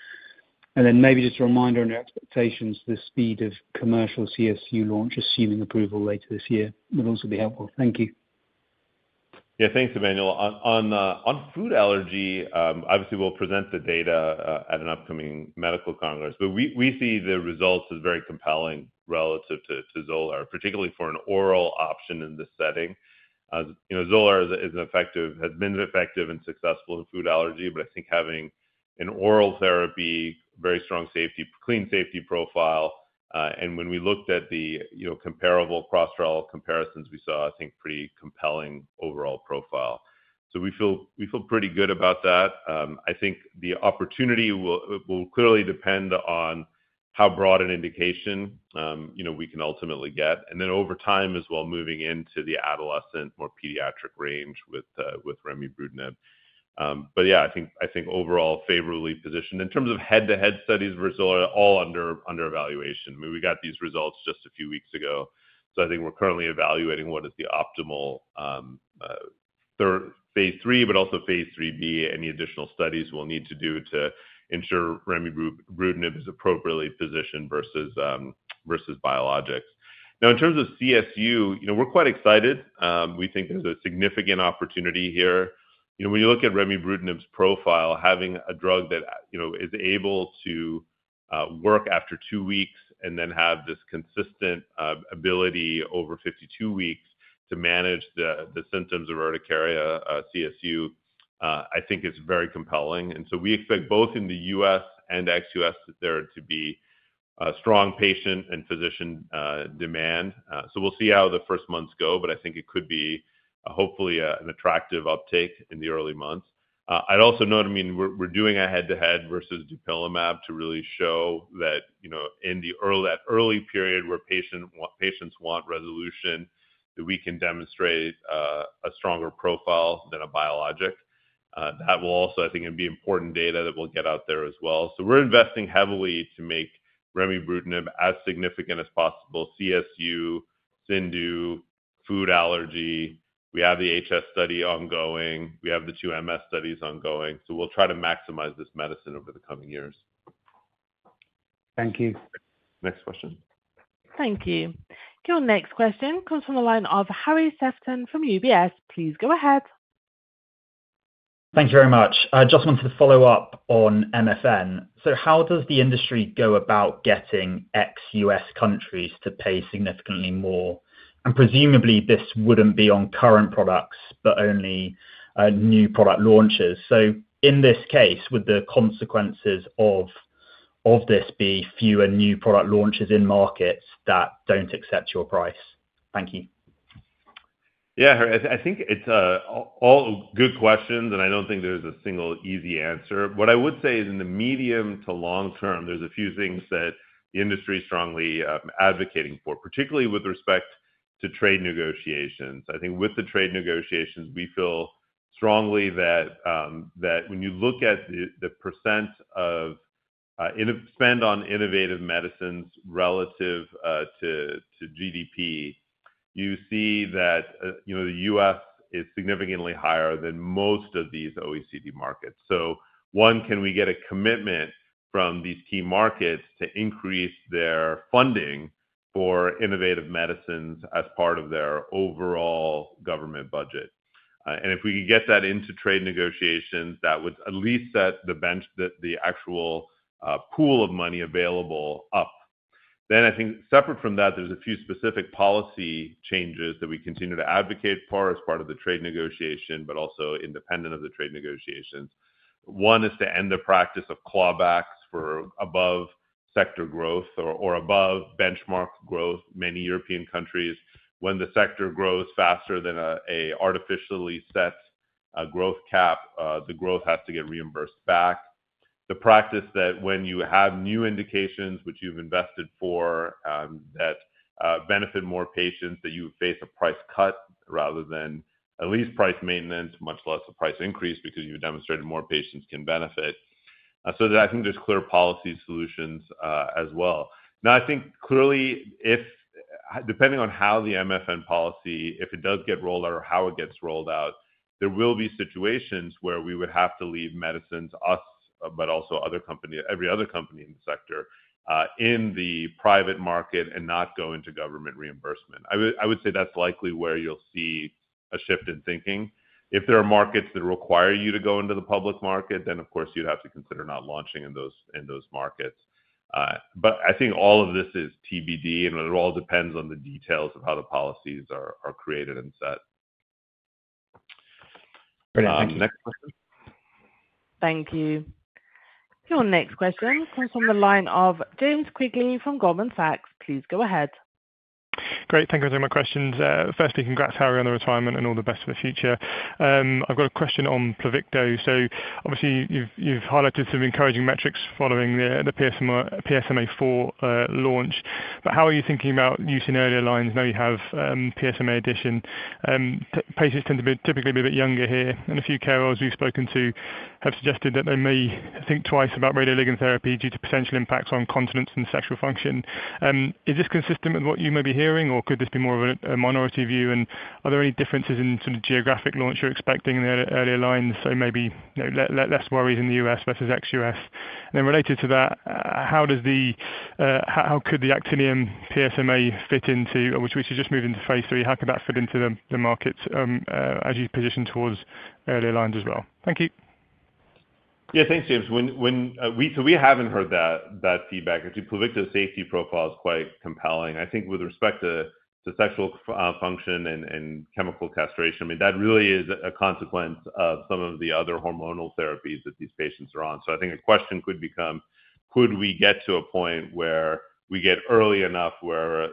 Then maybe just a reminder on your expectations, the speed of commercial CSU launch, assuming approval later this year, would also be helpful. Thank you. Yeah, thanks, Emmanuel. On food allergy, obviously, we'll present the data at an upcoming medical congress. We see the results as very compelling relative to Xolair, particularly for an oral option in this setting. Xolair has been effective and successful in food allergy, but I think having an oral therapy, very strong clean safety profile. When we looked at the comparable cross-trial comparisons, we saw, I think, pretty compelling overall profile. We feel pretty good about that. I think the opportunity will clearly depend on how broad an indication we can ultimately get. Over time as well, moving into the adolescent, more pediatric range with Remibrutinib. Yeah, I think overall favorably positioned. In terms of head-to-head studies versus Xolair, all under evaluation. I mean, we got these results just a few weeks ago. I think we're currently evaluating what is the optimal phase III, but also phase III-B, any additional studies we'll need to do to ensure Remibrutinib is appropriately positioned versus biologics. Now, in terms of CSU, we're quite excited. We think there's a significant opportunity here. When you look at Remibrutinib's profile, having a drug that is able to work after two weeks and then have this consistent ability over 52 weeks to manage the symptoms of urticaria, CSU, I think is very compelling. We expect both in the U.S. and ex-U.S. there to be strong patient and physician demand. We'll see how the first months go, but I think it could be hopefully an attractive uptake in the early months. I'd also note, I mean, we're doing a head-to-head versus dupilumab to really show that in that early period where patients want resolution, that we can demonstrate a stronger profile than a biologic. That will also, I think, be important data that we'll get out there as well. We're investing heavily to make Remibrutinib as significant as possible. CSU, CINDU, food allergy. We have the HS study ongoing. We have the two MS studies ongoing. We'll try to maximize this medicine over the coming years. Thank you. Next question. Thank you. Your next question comes from the line of Harry Sephton from UBS. Please go ahead. Thank you very much. I just wanted to follow up on MFN. How does the industry go about getting ex-U.S. countries to pay significantly more? Presumably, this wouldn't be on current products, but only new product launches. In this case, would the consequences of this be fewer new product launches in markets that do not accept your price? Thank you. Yeah, I think it is all good questions, and I do not think there is a single easy answer. What I would say is in the medium to long term, there are a few things that the industry is strongly advocating for, particularly with respect to trade negotiations. I think with the trade negotiations, we feel strongly that when you look at the percent of spend on innovative medicines relative to GDP, you see that the U.S. is significantly higher than most of these OECD markets. One, can we get a commitment from these key markets to increase their funding for innovative medicines as part of their overall government budget? If we could get that into trade negotiations, that would at least set the bench, the actual pool of money available up. I think separate from that, there's a few specific policy changes that we continue to advocate for as part of the trade negotiation, but also independent of the trade negotiations. One is to end the practice of clawbacks for above-sector growth or above-benchmark growth. Many European countries, when the sector grows faster than an artificially set growth cap, the growth has to get reimbursed back. The practice that when you have new indications, which you've invested for, that benefit more patients, that you face a price cut rather than at least price maintenance, much less a price increase because you've demonstrated more patients can benefit. I think there's clear policy solutions as well. Now, I think clearly, depending on how the MFN policy, if it does get rolled out or how it gets rolled out, there will be situations where we would have to leave medicines, us, but also every other company in the sector, in the private market and not go into government reimbursement. I would say that's likely where you'll see a shift in thinking. If there are markets that require you to go into the public market, then of course, you'd have to consider not launching in those markets. I think all of this is TBD, and it all depends on the details of how the policies are created and set. Brilliant. Thank you. Next question. Thank you. Your next question comes from the line of James Quigley from Goldman Sachs. Please go ahead. Great. Thank you for taking my questions. Firstly, congrats, Harry, on the retirement and all the best for the future. I've got a question on PLUVICTO. Obviously, you've highlighted some encouraging metrics following the PSMAfore launch. How are you thinking about using earlier lines? I know you have PSMA addition. Patients tend to typically be a bit younger here. A few carers we've spoken to have suggested that they may think twice about radioligand therapy due to potential impacts on continence and sexual function. Is this consistent with what you may be hearing, or could this be more of a minority view? Are there any differences in sort of geographic launch you're expecting in the earlier lines? Maybe less worries in the U.S. versus Ex-U.S. Related to that, how could the Actinium PSMA fit into, which is just moving to phase III? How could that fit into the markets as you position towards earlier lines as well? Thank you. Yeah, thanks, James. We haven't heard that feedback. I think PLUVICTO's safety profile is quite compelling. I think with respect to sexual function and chemical castration, I mean, that really is a consequence of some of the other hormonal therapies that these patients are on. I think a question could become, could we get to a point where we get early enough where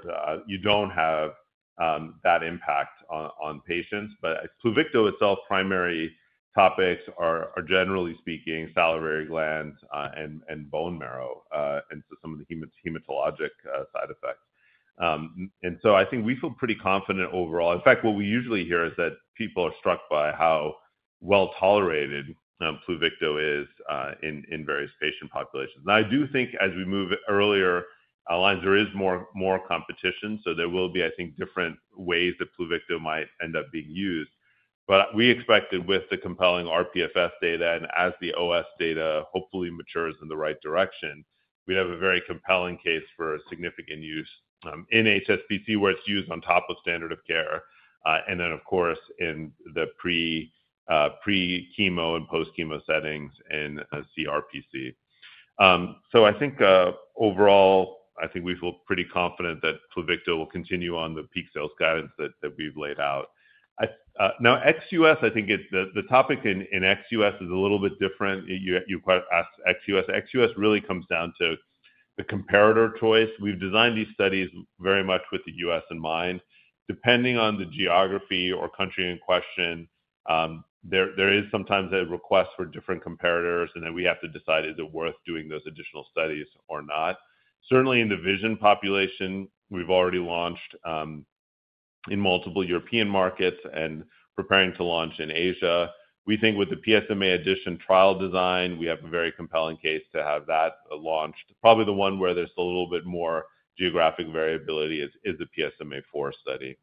you don't have that impact on patients? PLUVICTO itself, primary topics are, generally speaking, salivary gland and bone marrow, and some of the hematologic side effects. I think we feel pretty confident overall. In fact, what we usually hear is that people are struck by how well-tolerated PLUVICTO is in various patient populations. I do think as we move earlier lines, there is more competition. There will be, I think, different ways that PLUVICTO might end up being used. We expected with the compelling RPFS data and as the OS data hopefully matures in the right direction, we would have a very compelling case for significant use in HSPC where it is used on top of standard of care. Of course, in the pre-chemo and post-chemo settings and CRPC. Overall, I think we feel pretty confident that PLUVICTO will continue on the peak sales guidance that we have laid out. Now, Ex-U.S., I think the topic in Ex-U.S. is a little bit different. You asked Ex-U.S. Ex-U.S. really comes down to the comparator choice. We have designed these studies very much with the U.S. in mind. Depending on the geography or country in question, there is sometimes a request for different comparators, and then we have to decide, is it worth doing those additional studies or not? Certainly in the vision population, we've already launched in multiple European markets and preparing to launch in Asia. We think with the PSMA addition trial design, we have a very compelling case to have that launched. Probably the one where there's a little bit more geographic variability is the PSMAfore study.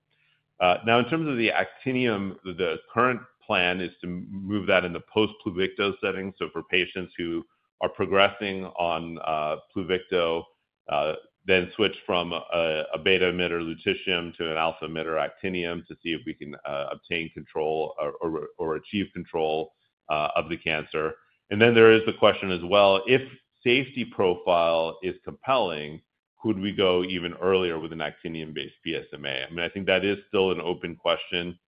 Now, in terms of the Actinium, the current plan is to move that in the post-PLUVICTO setting. For patients who are progressing on PLUVICTO, then switch from a beta-emitter lutetium to an alpha-emitter Actinium to see if we can obtain control or achieve control of the cancer. There is the question as well, if safety profile is compelling, could we go even earlier with an Actinium-based PSMA? I mean, I think that is still an open question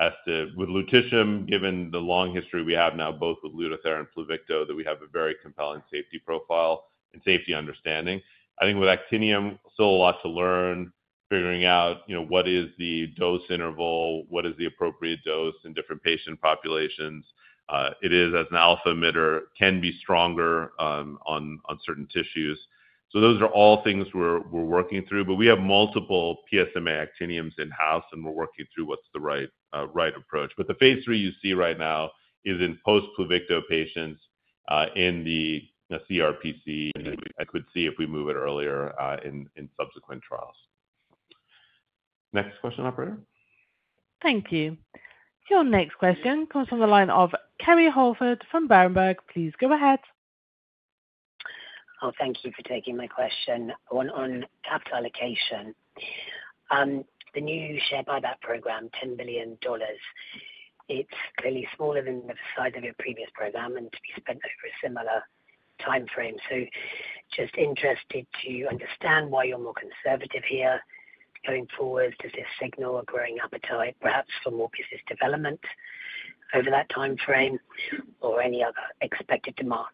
as to with lutetium, given the long history we have now, both with LUTATHERA and PLUVICTO, that we have a very compelling safety profile and safety understanding. I think with Actinium, still a lot to learn, figuring out what is the dose interval, what is the appropriate dose in different patient populations. It is, as an alpha-emitter, can be stronger on certain tissues. Those are all things we're working through. We have multiple PSMA Actiniums in-house, and we're working through what's the right approach. The phase III you see right now is in post-PLUVICTO patients in the CRPC. I could see if we move it earlier in subsequent trials. Next question, operator. Thank you. Your next question comes from the line of Kerry Holford from Berenberg. Please go ahead. Oh, thank you for taking my question. On capital allocation, the new share buyback program, $10 billion, it's clearly smaller than the size of your previous program and to be spent over a similar timeframe. Just interested to understand why you're more conservative here going forward. Does this signal a growing appetite, perhaps, for more business development over that timeframe or any other expected demands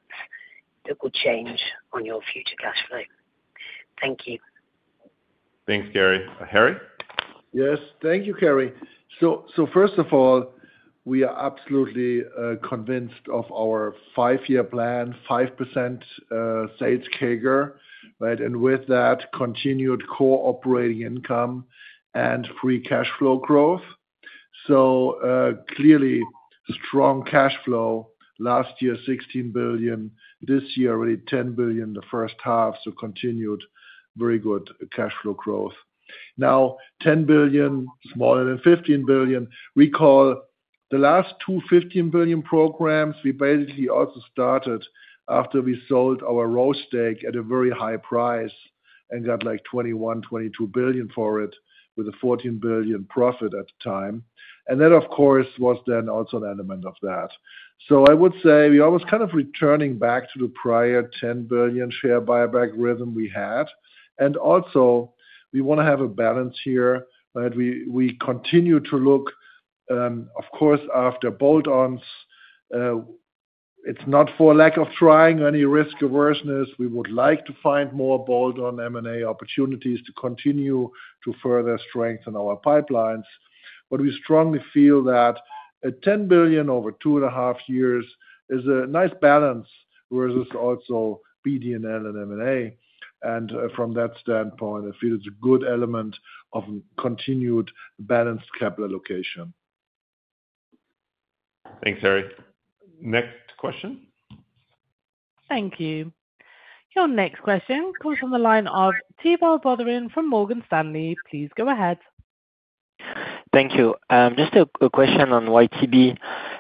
that will change on your future cash flow? Thank you. Thanks, Kerry. Harry? Yes. Thank you, Kerry. First of all, we are absolutely convinced of our five-year plan, 5% sales CAGR, and with that, continued core operating income and free cash flow growth. Clearly, strong cash flow. Last year, $16 billion. This year, already $10 billion in the first half. Continued very good cash flow growth. Now, $10 billion, smaller than $15 billion. Recall the last two $15 billion programs, we basically also started after we sold our Roche stake at a very high price and got like $21 billion, $22 billion for it with a $14 billion profit at the time. That, of course, was then also an element of that. I would say we are almost kind of returning back to the prior $10 billion share buyback rhythm we had. We want to have a balance here. We continue to look, of course, after bolt-ons. It is not for lack of trying or any risk aversionist. We would like to find more bolt-on M&A opportunities to continue to further strengthen our pipelines. We strongly feel that at $10 billion over two and a half years is a nice balance versus also BDNL and M&A. From that standpoint, I feel it's a good element of continued balanced capital allocation. Thanks, Harry. Next question. Thank you. Your next question comes from the line of Thibault Boutherin from Morgan Stanley. Please go ahead. Thank you. Just a question on YTB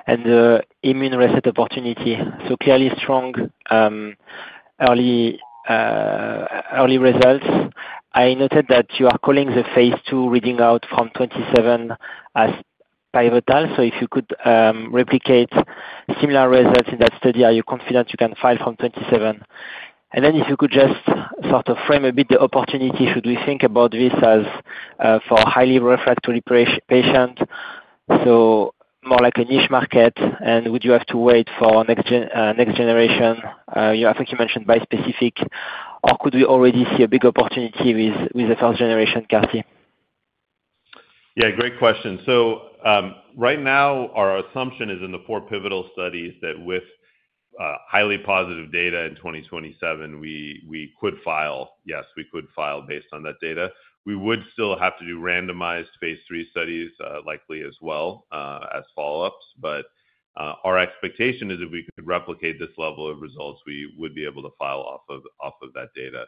and the immune reset opportunity. Clearly, strong early results. I noted that you are calling the phase II reading out from 2027 as pivotal. If you could replicate similar results in that study, are you confident you can file from 2027? If you could just sort of frame a bit the opportunity, should we think about this as for highly refractory patients, more like a niche market, and would you have to wait for next generation? I think you mentioned bispecific. Or could we already see a big opportunity with the first generation CAR-T? Yeah, great question. Right now, our assumption is in the four pivotal studies that with highly positive data in 2027, we could file. Yes, we could file based on that data. We would still have to do randomized phase III studies likely as well as follow-ups. Our expectation is if we could replicate this level of results, we would be able to file off of that data.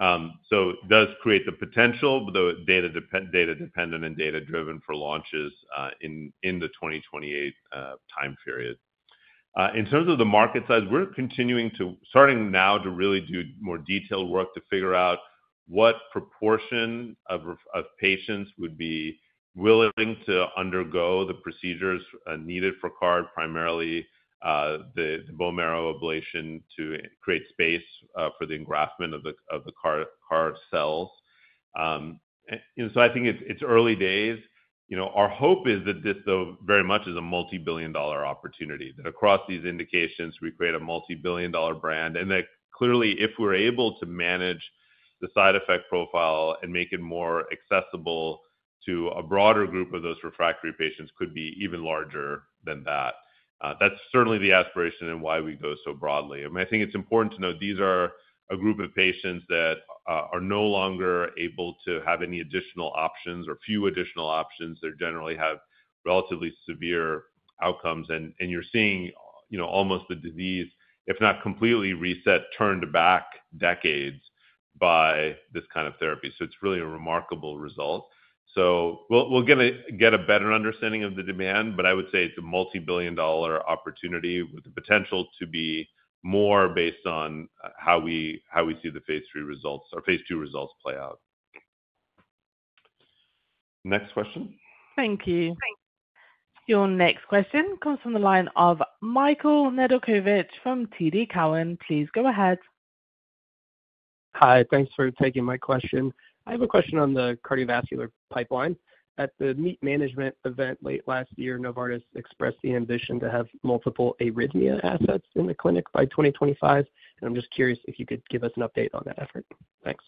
It does create the potential, but data-dependent and data-driven for launches in the 2028 time period. In terms of the market size, we're continuing to, starting now, to really do more detailed work to figure out what proportion of patients would be willing to undergo the procedures needed for CAR-T, primarily the bone marrow ablation to create space for the engraftment of the CAR-T cells. I think it's early days. Our hope is that this, though, very much is a multi-billion dollar opportunity, that across these indications, we create a multi-billion dollar brand. That clearly, if we're able to manage the side effect profile and make it more accessible to a broader group of those refractory patients, could be even larger than that. That is certainly the aspiration and why we go so broadly. I think it's important to note these are a group of patients that are no longer able to have any additional options or few additional options. They generally have relatively severe outcomes. You are seeing almost the disease, if not completely reset, turned back decades by this kind of therapy. It is really a remarkable result. We'll get a better understanding of the demand, but I would say it's a multi-billion dollar opportunity with the potential to be more based on how we see the phase III results or phase II results play out. Next question. Thank you. Your next question comes from the line of Michael Nedelcovych from TD Cowen. Please go ahead. Hi. Thanks for taking my question. I have a question on the cardiovascular pipeline. At the meet management event late last year, Novartis expressed the ambition to have multiple arrhythmia assets in the clinic by 2025. I'm just curious if you could give us an update on that effort. Thanks.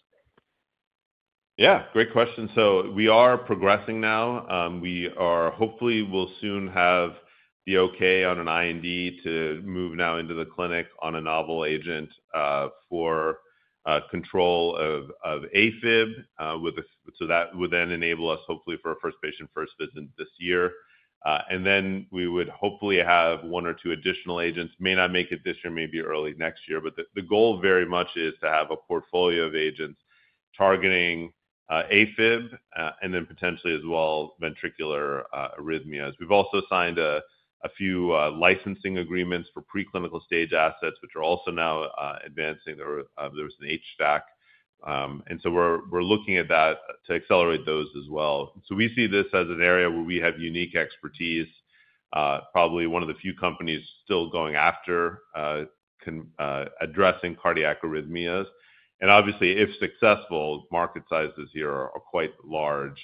Yeah. Great question. We are progressing now. We hopefully will soon have the okay on an IND to move now into the clinic on a novel agent for control of AFib. That would then enable us, hopefully, for a first patient first visit this year. We would hopefully have one or two additional agents. May not make it this year, maybe early next year. The goal very much is to have a portfolio of agents targeting AFib and then potentially as well ventricular arrhythmias. We've also signed a few licensing agreements for preclinical stage assets, which are also now advancing. There was an HDAC. We are looking at that to accelerate those as well. We see this as an area where we have unique expertise, probably one of the few companies still going after addressing cardiac arrhythmias. Obviously, if successful, market sizes here are quite large.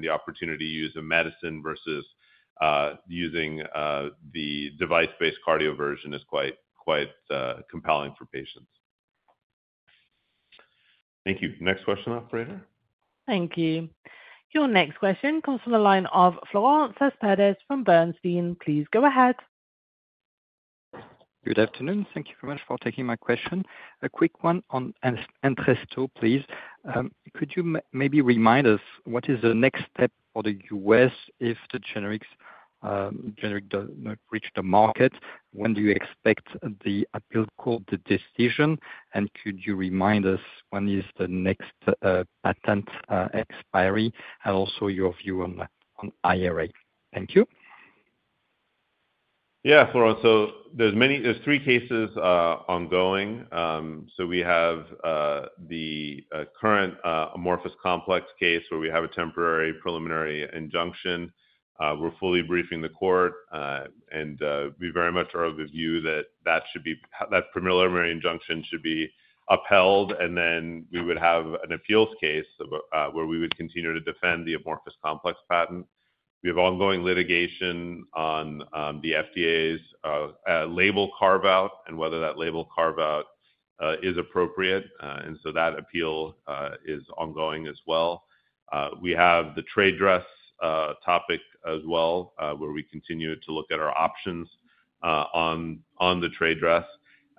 The opportunity to use a medicine versus using the device-based cardioversion is quite compelling for patients. Thank you. Next question, operator. Thank you. Your next question comes from the line of Florent Cespedes from Bernstein. Please go ahead. Good afternoon. Thank you very much for taking my question. A quick one on Entresto, please. Could you maybe remind us what is the next step for the U.S. if the generic does not reach the market? When do you expect the appeal court decision? And could you remind us when is the next patent expiry and also your view on IRA? Thank you. Yeah, Florence. There are three cases ongoing. We have the current amorphous complex case where we have a temporary preliminary injunction. We are fully briefing the court. We very much are of the view that that preliminary injunction should be upheld. We would have an appeals case where we would continue to defend the amorphous complex patent. We have ongoing litigation on the FDA's label carve-out and whether that label carve-out is appropriate. That appeal is ongoing as well. We have the trade dress topic as well where we continue to look at our options on the trade dress.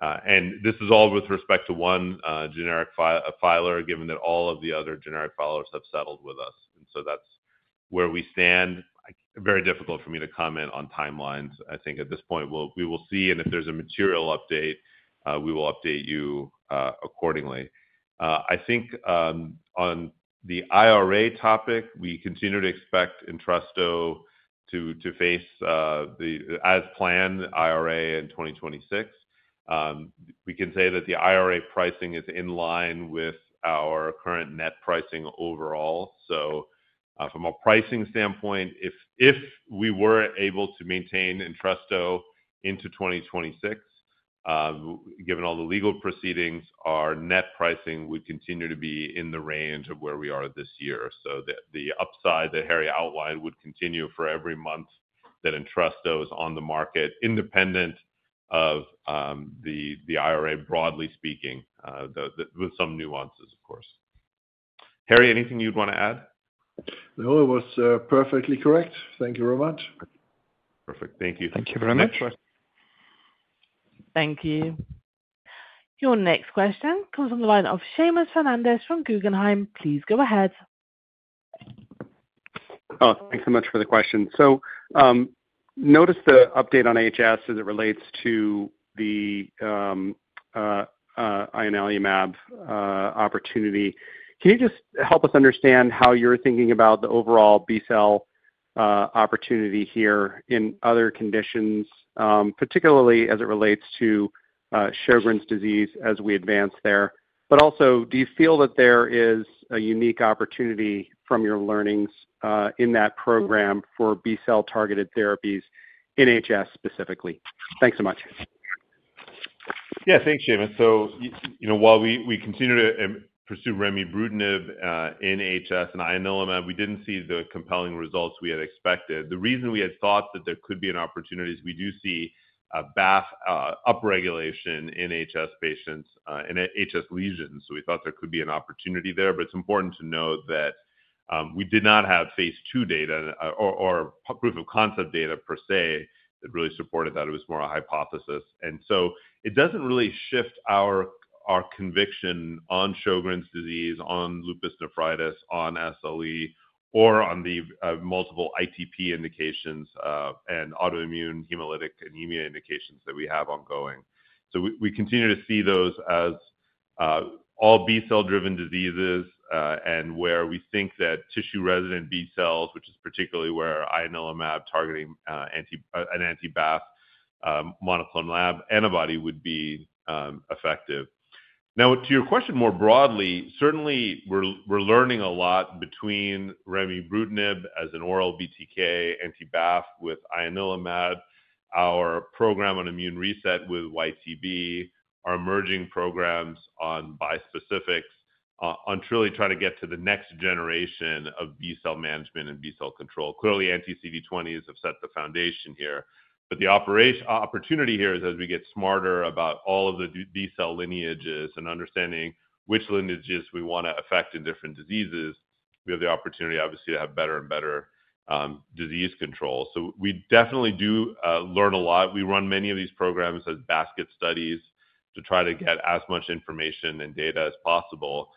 This is all with respect to one generic filer, given that all of the other generic filers have settled with us. That is where we stand. Very difficult for me to comment on timelines. I think at this point, we will see. If there is a material update, we will update you accordingly. I think on the IRA topic, we continue to expect Entresto to face, as planned, IRA in 2026. We can say that the IRA pricing is in line with our current net pricing overall. From a pricing standpoint, if we were able to maintain Entresto into 2026, given all the legal proceedings, our net pricing would continue to be in the range of where we are this year. The upside that Harry outlined would continue for every month that Entresto is on the market, independent of the IRA, broadly speaking, with some nuances, of course. Harry, anything you'd want to add? No, it was perfectly correct. Thank you very much. Perfect. Thank you. Thank you very much. Thank you. Your next question comes from the line of Seamus Fernandez from Guggenheim. Please go ahead. Thanks so much for the question. Notice the update on HS as it relates to the ianalumab opportunity. Can you just help us understand how you're thinking about the overall B-cell opportunity here in other conditions, particularly as it relates to Sjögren's disease as we advance there? But also, do you feel that there is a unique opportunity from your learnings in that program for B-cell targeted therapies in HS specifically? Thanks so much. Yeah, thanks, Seamus. While we continue to pursue Remibrutinib in HS and ianalumab, we did not see the compelling results we had expected. The reason we had thought that there could be an opportunity is we do see upregulation in HS patients and HS lesions. We thought there could be an opportunity there. It is important to note that we did not have phase II data or proof of concept data per se that really supported that. It was more a hypothesis. It does not really shift our conviction on Sjögren's disease, on lupus nephritis, on SLE, or on the multiple ITP indications and autoimmune hemolytic anemia indications that we have ongoing. We continue to see those as all B-cell-driven diseases and where we think that tissue-resident B-cells, which is particularly where ianalumab targeting an anti-BAFF monoclonal antibody would be effective. Now, to your question more broadly, certainly we're learning a lot between Remibrutinib as an oral BTK, anti-BAFF with ianalumab, our program on immune reset with YTB, our emerging programs on bispecifics, on truly trying to get to the next generation of B-cell management and B-cell control. Clearly, anti-CD20s have set the foundation here. The opportunity here is as we get smarter about all of the B-cell lineages and understanding which lineages we want to affect in different diseases, we have the opportunity, obviously, to have better and better disease control. We definitely do learn a lot. We run many of these programs as basket studies to try to get as much information and data as possible.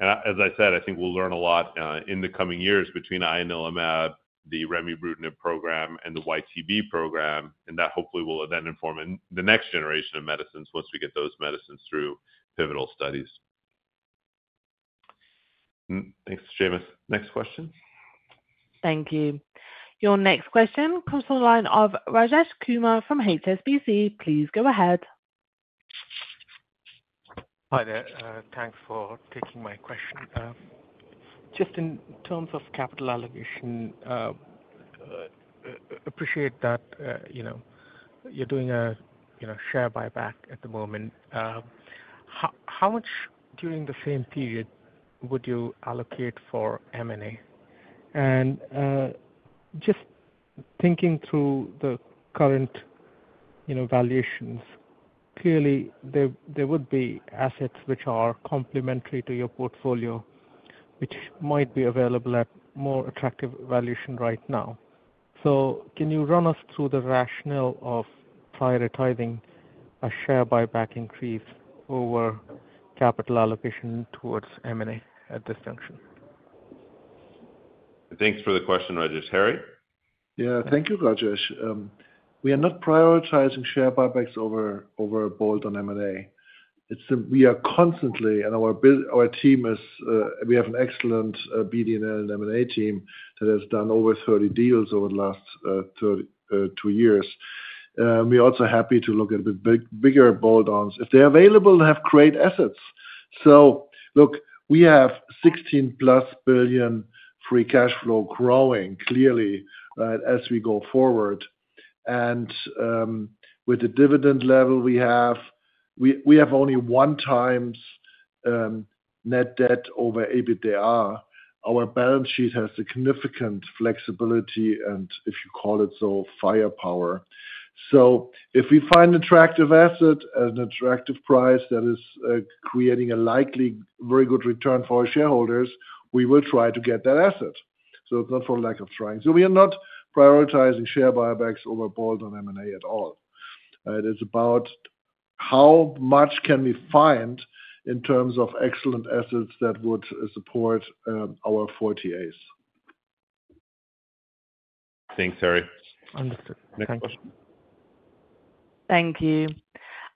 As I said, I think we'll learn a lot in the coming years between ianalumab, the Remibrutinib program, and the YTB program. That hopefully will then inform the next generation of medicines once we get those medicines through pivotal studies. Thanks, Seamus. Next question. Thank you. Your next question comes from the line of Rajesh Kumar from HSBC. Please go ahead. Hi there. Thanks for taking my question. Just in terms of capital allocation, appreciate that you're doing a share buyback at the moment. How much during the same period would you allocate for M&A? Just thinking through the current valuations, clearly, there would be assets which are complementary to your portfolio, which might be available at more attractive valuation right now. Can you run us through the rationale of prioritizing a share buyback increase over capital allocation towards M&A at this junction? Thanks for the question, Rajesh. Harry? Yeah, thank you, Rajesh. We are not prioritizing share buybacks over a board on M&A. We are constantly, and our team is, we have an excellent BDNL and M&A team that has done over 30 deals over the last two years. We are also happy to look at bigger board-ons if they're available, they have great assets. Look, we have $16-plus billion free cash flow growing clearly as we go forward. With the dividend level we have, we have only one-time net debt over EBITDA. Our balance sheet has significant flexibility and, if you call it so, firepower. If we find an attractive asset at an attractive price that is creating a likely very good return for our shareholders, we will try to get that asset. It is not for lack of trying. We are not prioritizing share buybacks over board on M&A at all. It is about how much can we find in terms of excellent assets that would support our 40As. Thanks, Harry. Understood. Next question. Thank you.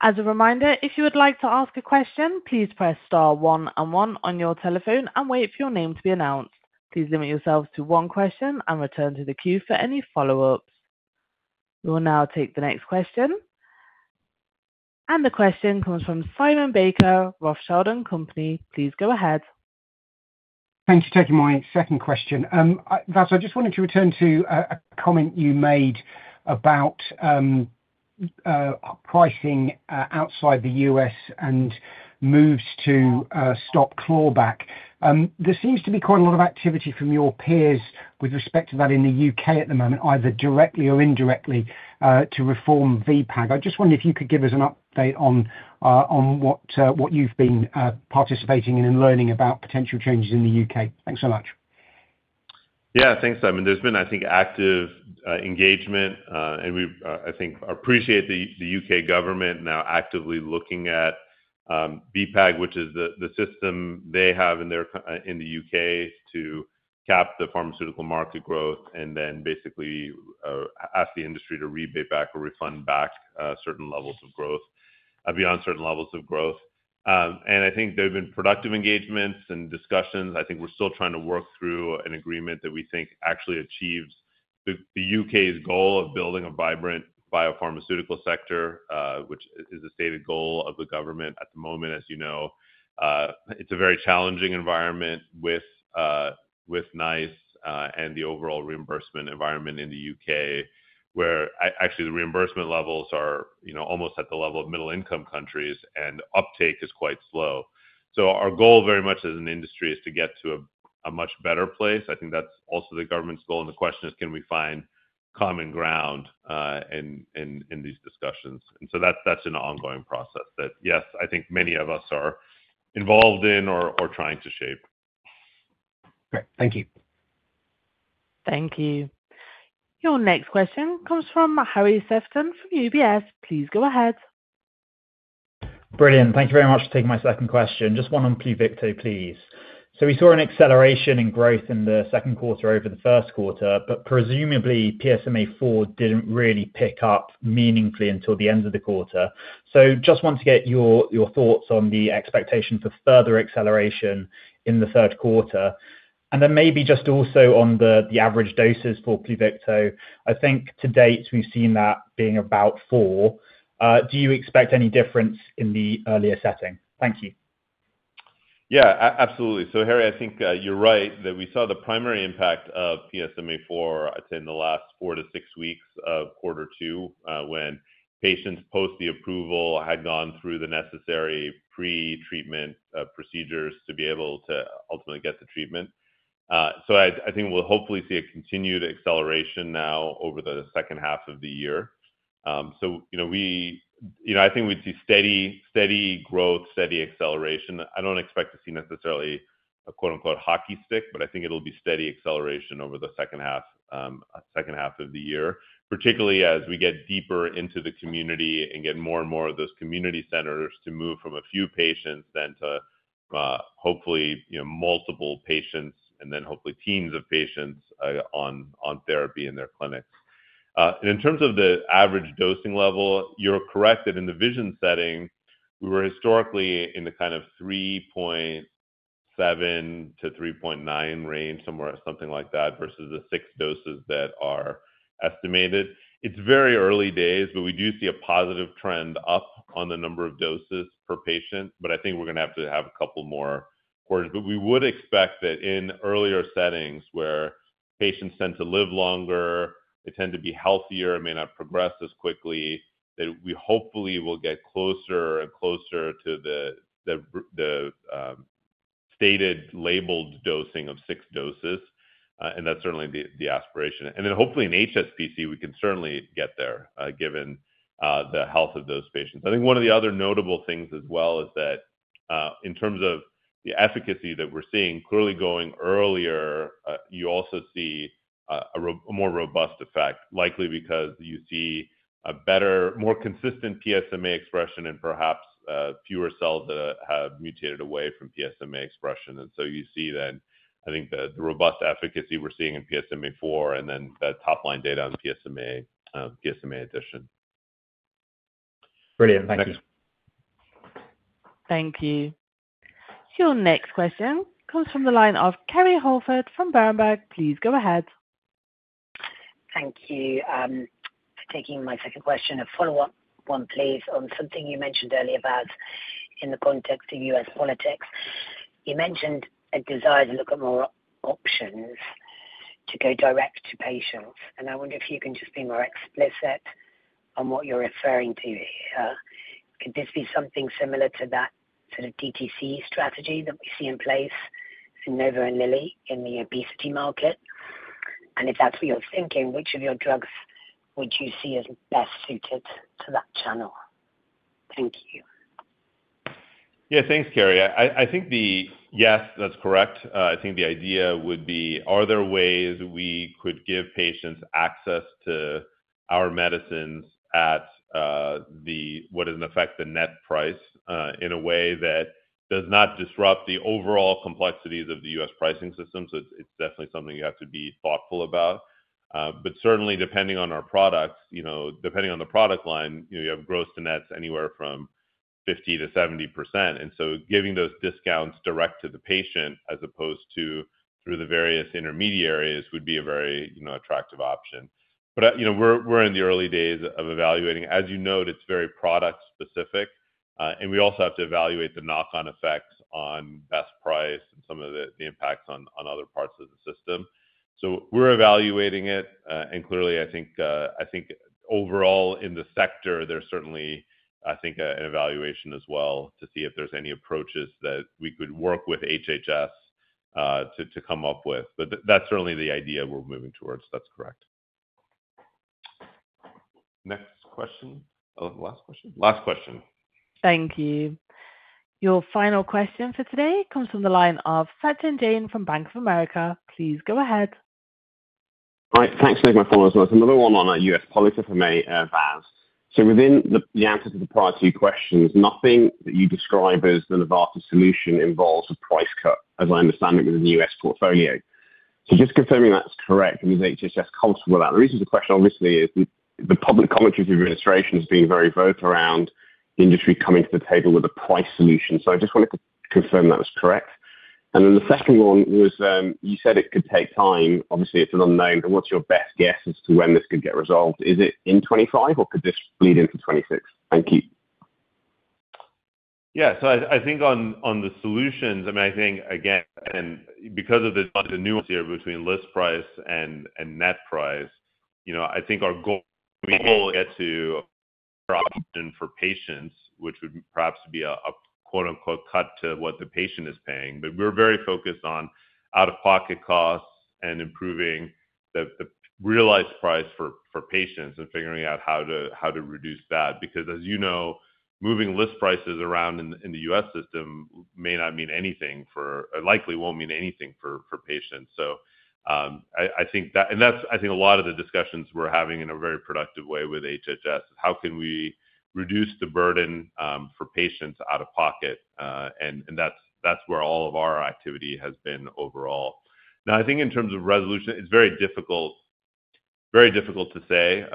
As a reminder, if you would like to ask a question, please press star one and one on your telephone and wait for your name to be announced. Please limit yourself to one question and return to the queue for any follow-ups. We will now take the next question. The question comes from Simon Baker, Rothschild & Company. Please go ahead. Thanks for taking my second question. Vas, I just wanted to return to a comment you made about pricing outside the U.S. and moves to stop clawback. There seems to be quite a lot of activity from your peers with respect to that in the U.K. at the moment, either directly or indirectly, to reform VPAG. I just wondered if you could give us an update on what you've been participating in and learning about potential changes in the U.K. Thanks so much. Yeah, thanks, Simon. There's been, I think, active engagement. I think I appreciate the U.K. government now actively looking at VPAG, which is the system they have in the U.K. to cap the pharmaceutical market growth and then basically ask the industry to rebate back or refund back certain levels of growth, beyond certain levels of growth. I think there have been productive engagements and discussions. I think we're still trying to work through an agreement that we think actually achieves the U.K.'s goal of building a vibrant biopharmaceutical sector, which is the stated goal of the government at the moment, as you know. It's a very challenging environment with NICE and the overall reimbursement environment in the U.K., where actually the reimbursement levels are almost at the level of middle-income countries, and uptake is quite slow. Our goal very much as an industry is to get to a much better place. I think that's also the government's goal. The question is, can we find common ground in these discussions? That is an ongoing process that, yes, I think many of us are involved in or trying to shape. Great. Thank you. Thank you. Your next question comes from Harry Sephton from UBS. Please go ahead. Brilliant. Thank you very much for taking my second question. Just one on PLUVICTO, please. We saw an acceleration in growth in the second quarter over the first quarter, but presumably PSMAfore did not really pick up meaningfully until the end of the quarter. I just want to get your thoughts on the expectation for further acceleration in the third quarter. Maybe just also on the average doses for PLUVICTO. I think to date, we have seen that being about four. Do you expect any difference in the earlier setting? Thank you. Yeah, absolutely. Harry, I think you are right that we saw the primary impact of PSMAfore, I would say, in the last four to six weeks of quarter two, when patients post the approval had gone through the necessary pre-treatment procedures to be able to ultimately get the treatment. I think we'll hopefully see a continued acceleration now over the second half of the year. I think we'd see steady growth, steady acceleration. I don't expect to see necessarily a "hockey stick," but I think it'll be steady acceleration over the second half of the year, particularly as we get deeper into the community and get more and more of those community centers to move from a few patients then to hopefully multiple patients and then hopefully teams of patients on therapy in their clinics. In terms of the average dosing level, you're correct that in the vision setting, we were historically in the kind of 3.7-3.9 range, somewhere something like that, versus the six doses that are estimated. It's very early days, but we do see a positive trend up on the number of doses per patient. I think we're going to have to have a couple more quarters. We would expect that in earlier settings where patients tend to live longer, they tend to be healthier, may not progress as quickly, that we hopefully will get closer and closer to the stated labeled dosing of six doses. That is certainly the aspiration. Hopefully in HSPC, we can certainly get there given the health of those patients. I think one of the other notable things as well is that in terms of the efficacy that we're seeing, clearly going earlier, you also see a more robust effect, likely because you see a better, more consistent PSMA expression and perhaps fewer cells that have mutated away from PSMA expression. You see then, I think, the robust efficacy we're seeing in PSMAfore and then the top-line data on PSMA addition. Brilliant. Thank you. Thank you. Your next question comes from the line of Kerry Holford from Berenberg. Please go ahead. Thank you for taking my second question. A follow-up one, please, on something you mentioned earlier about in the context of U.S. politics. You mentioned a desire to look at more options to go direct to patients. I wonder if you can just be more explicit on what you're referring to here. Could this be something similar to that sort of DTC strategy that we see in place in Novo and Lilly in the obesity market? If that's what you're thinking, which of your drugs would you see as best suited to that channel? Thank you. Yeah, thanks, Kerry. I think the yes, that's correct. I think the idea would be, are there ways we could give patients access to our medicines at what is, in effect, the net price in a way that does not disrupt the overall complexities of the U.S. pricing system? It is definitely something you have to be thoughtful about. Certainly, depending on our products, depending on the product line, you have gross to nets anywhere from 50-70%. Giving those discounts direct to the patient as opposed to through the various intermediaries would be a very attractive option. We are in the early days of evaluating. As you note, it is very product-specific. We also have to evaluate the knock-on effects on best price and some of the impacts on other parts of the system. We are evaluating it. Clearly, I think overall in the sector, there's certainly, I think, an evaluation as well to see if there's any approaches that we could work with HHS to come up with. That's certainly the idea we're moving towards. That's correct. Next question. Last question? Last question. Thank you. Your final question for today comes from the line of Sachin Jain from Bank of America. Please go ahead. All right. Thanks for taking my phone as well. Another one on U.S. politics for me, Vas. Within the answer to the prior two questions, nothing that you describe as the Novartis solution involves a price cut, as I understand it, within the U.S. portfolio. Just confirming that's correct and is HHS comfortable with that? The reason for the question, obviously, is the public commentary of the administration has been very vocal around the industry coming to the table with a price solution. I just wanted to confirm that was correct. The second one was you said it could take time. Obviously, it is an unknown. What is your best guess as to when this could get resolved? Is it in 2025, or could this bleed into 2026? Thank you. Yeah. I think on the solutions, I mean, I think, again, because of the nuance here between list price and net price, I think our goal will get to an option for patients, which would perhaps be a "cut" to what the patient is paying. We are very focused on out-of-pocket costs and improving the realized price for patients and figuring out how to reduce that. Because as you know, moving list prices around in the U.S. system may not mean anything for, likely will not mean anything for patients. I think that, and that is, I think, a lot of the discussions we are having in a very productive way with HHS is how can we reduce the burden for patients out of pocket? That is where all of our activity has been overall. Now, I think in terms of resolution, it is very difficult to say.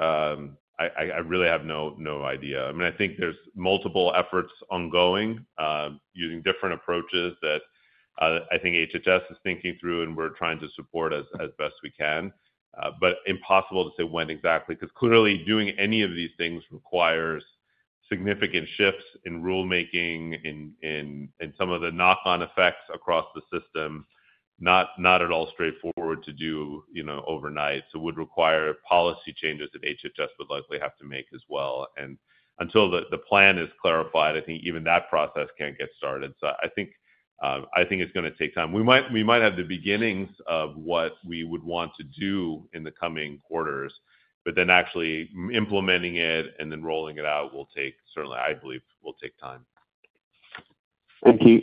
I really have no idea. I mean, I think there are multiple efforts ongoing using different approaches that I think HHS is thinking through, and we are trying to support as best we can. Impossible to say when exactly because clearly doing any of these things requires significant shifts in rulemaking, in some of the knock-on effects across the system, not at all straightforward to do overnight. It would require policy changes that HHS would likely have to make as well. Until the plan is clarified, I think even that process cannot get started. I think it is going to take time. We might have the beginnings of what we would want to do in the coming quarters. Actually implementing it and then rolling it out will certainly, I believe, take time. Thank you.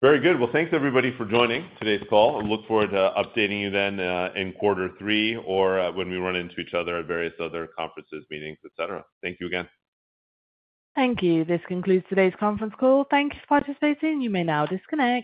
Very good. Thanks, everybody, for joining today's call. I look forward to updating you then in quarter three or when we run into each other at various other conferences, meetings, etc. Thank you again. Thank you. This concludes today's conference call. Thank you for participating. You may now disconnect.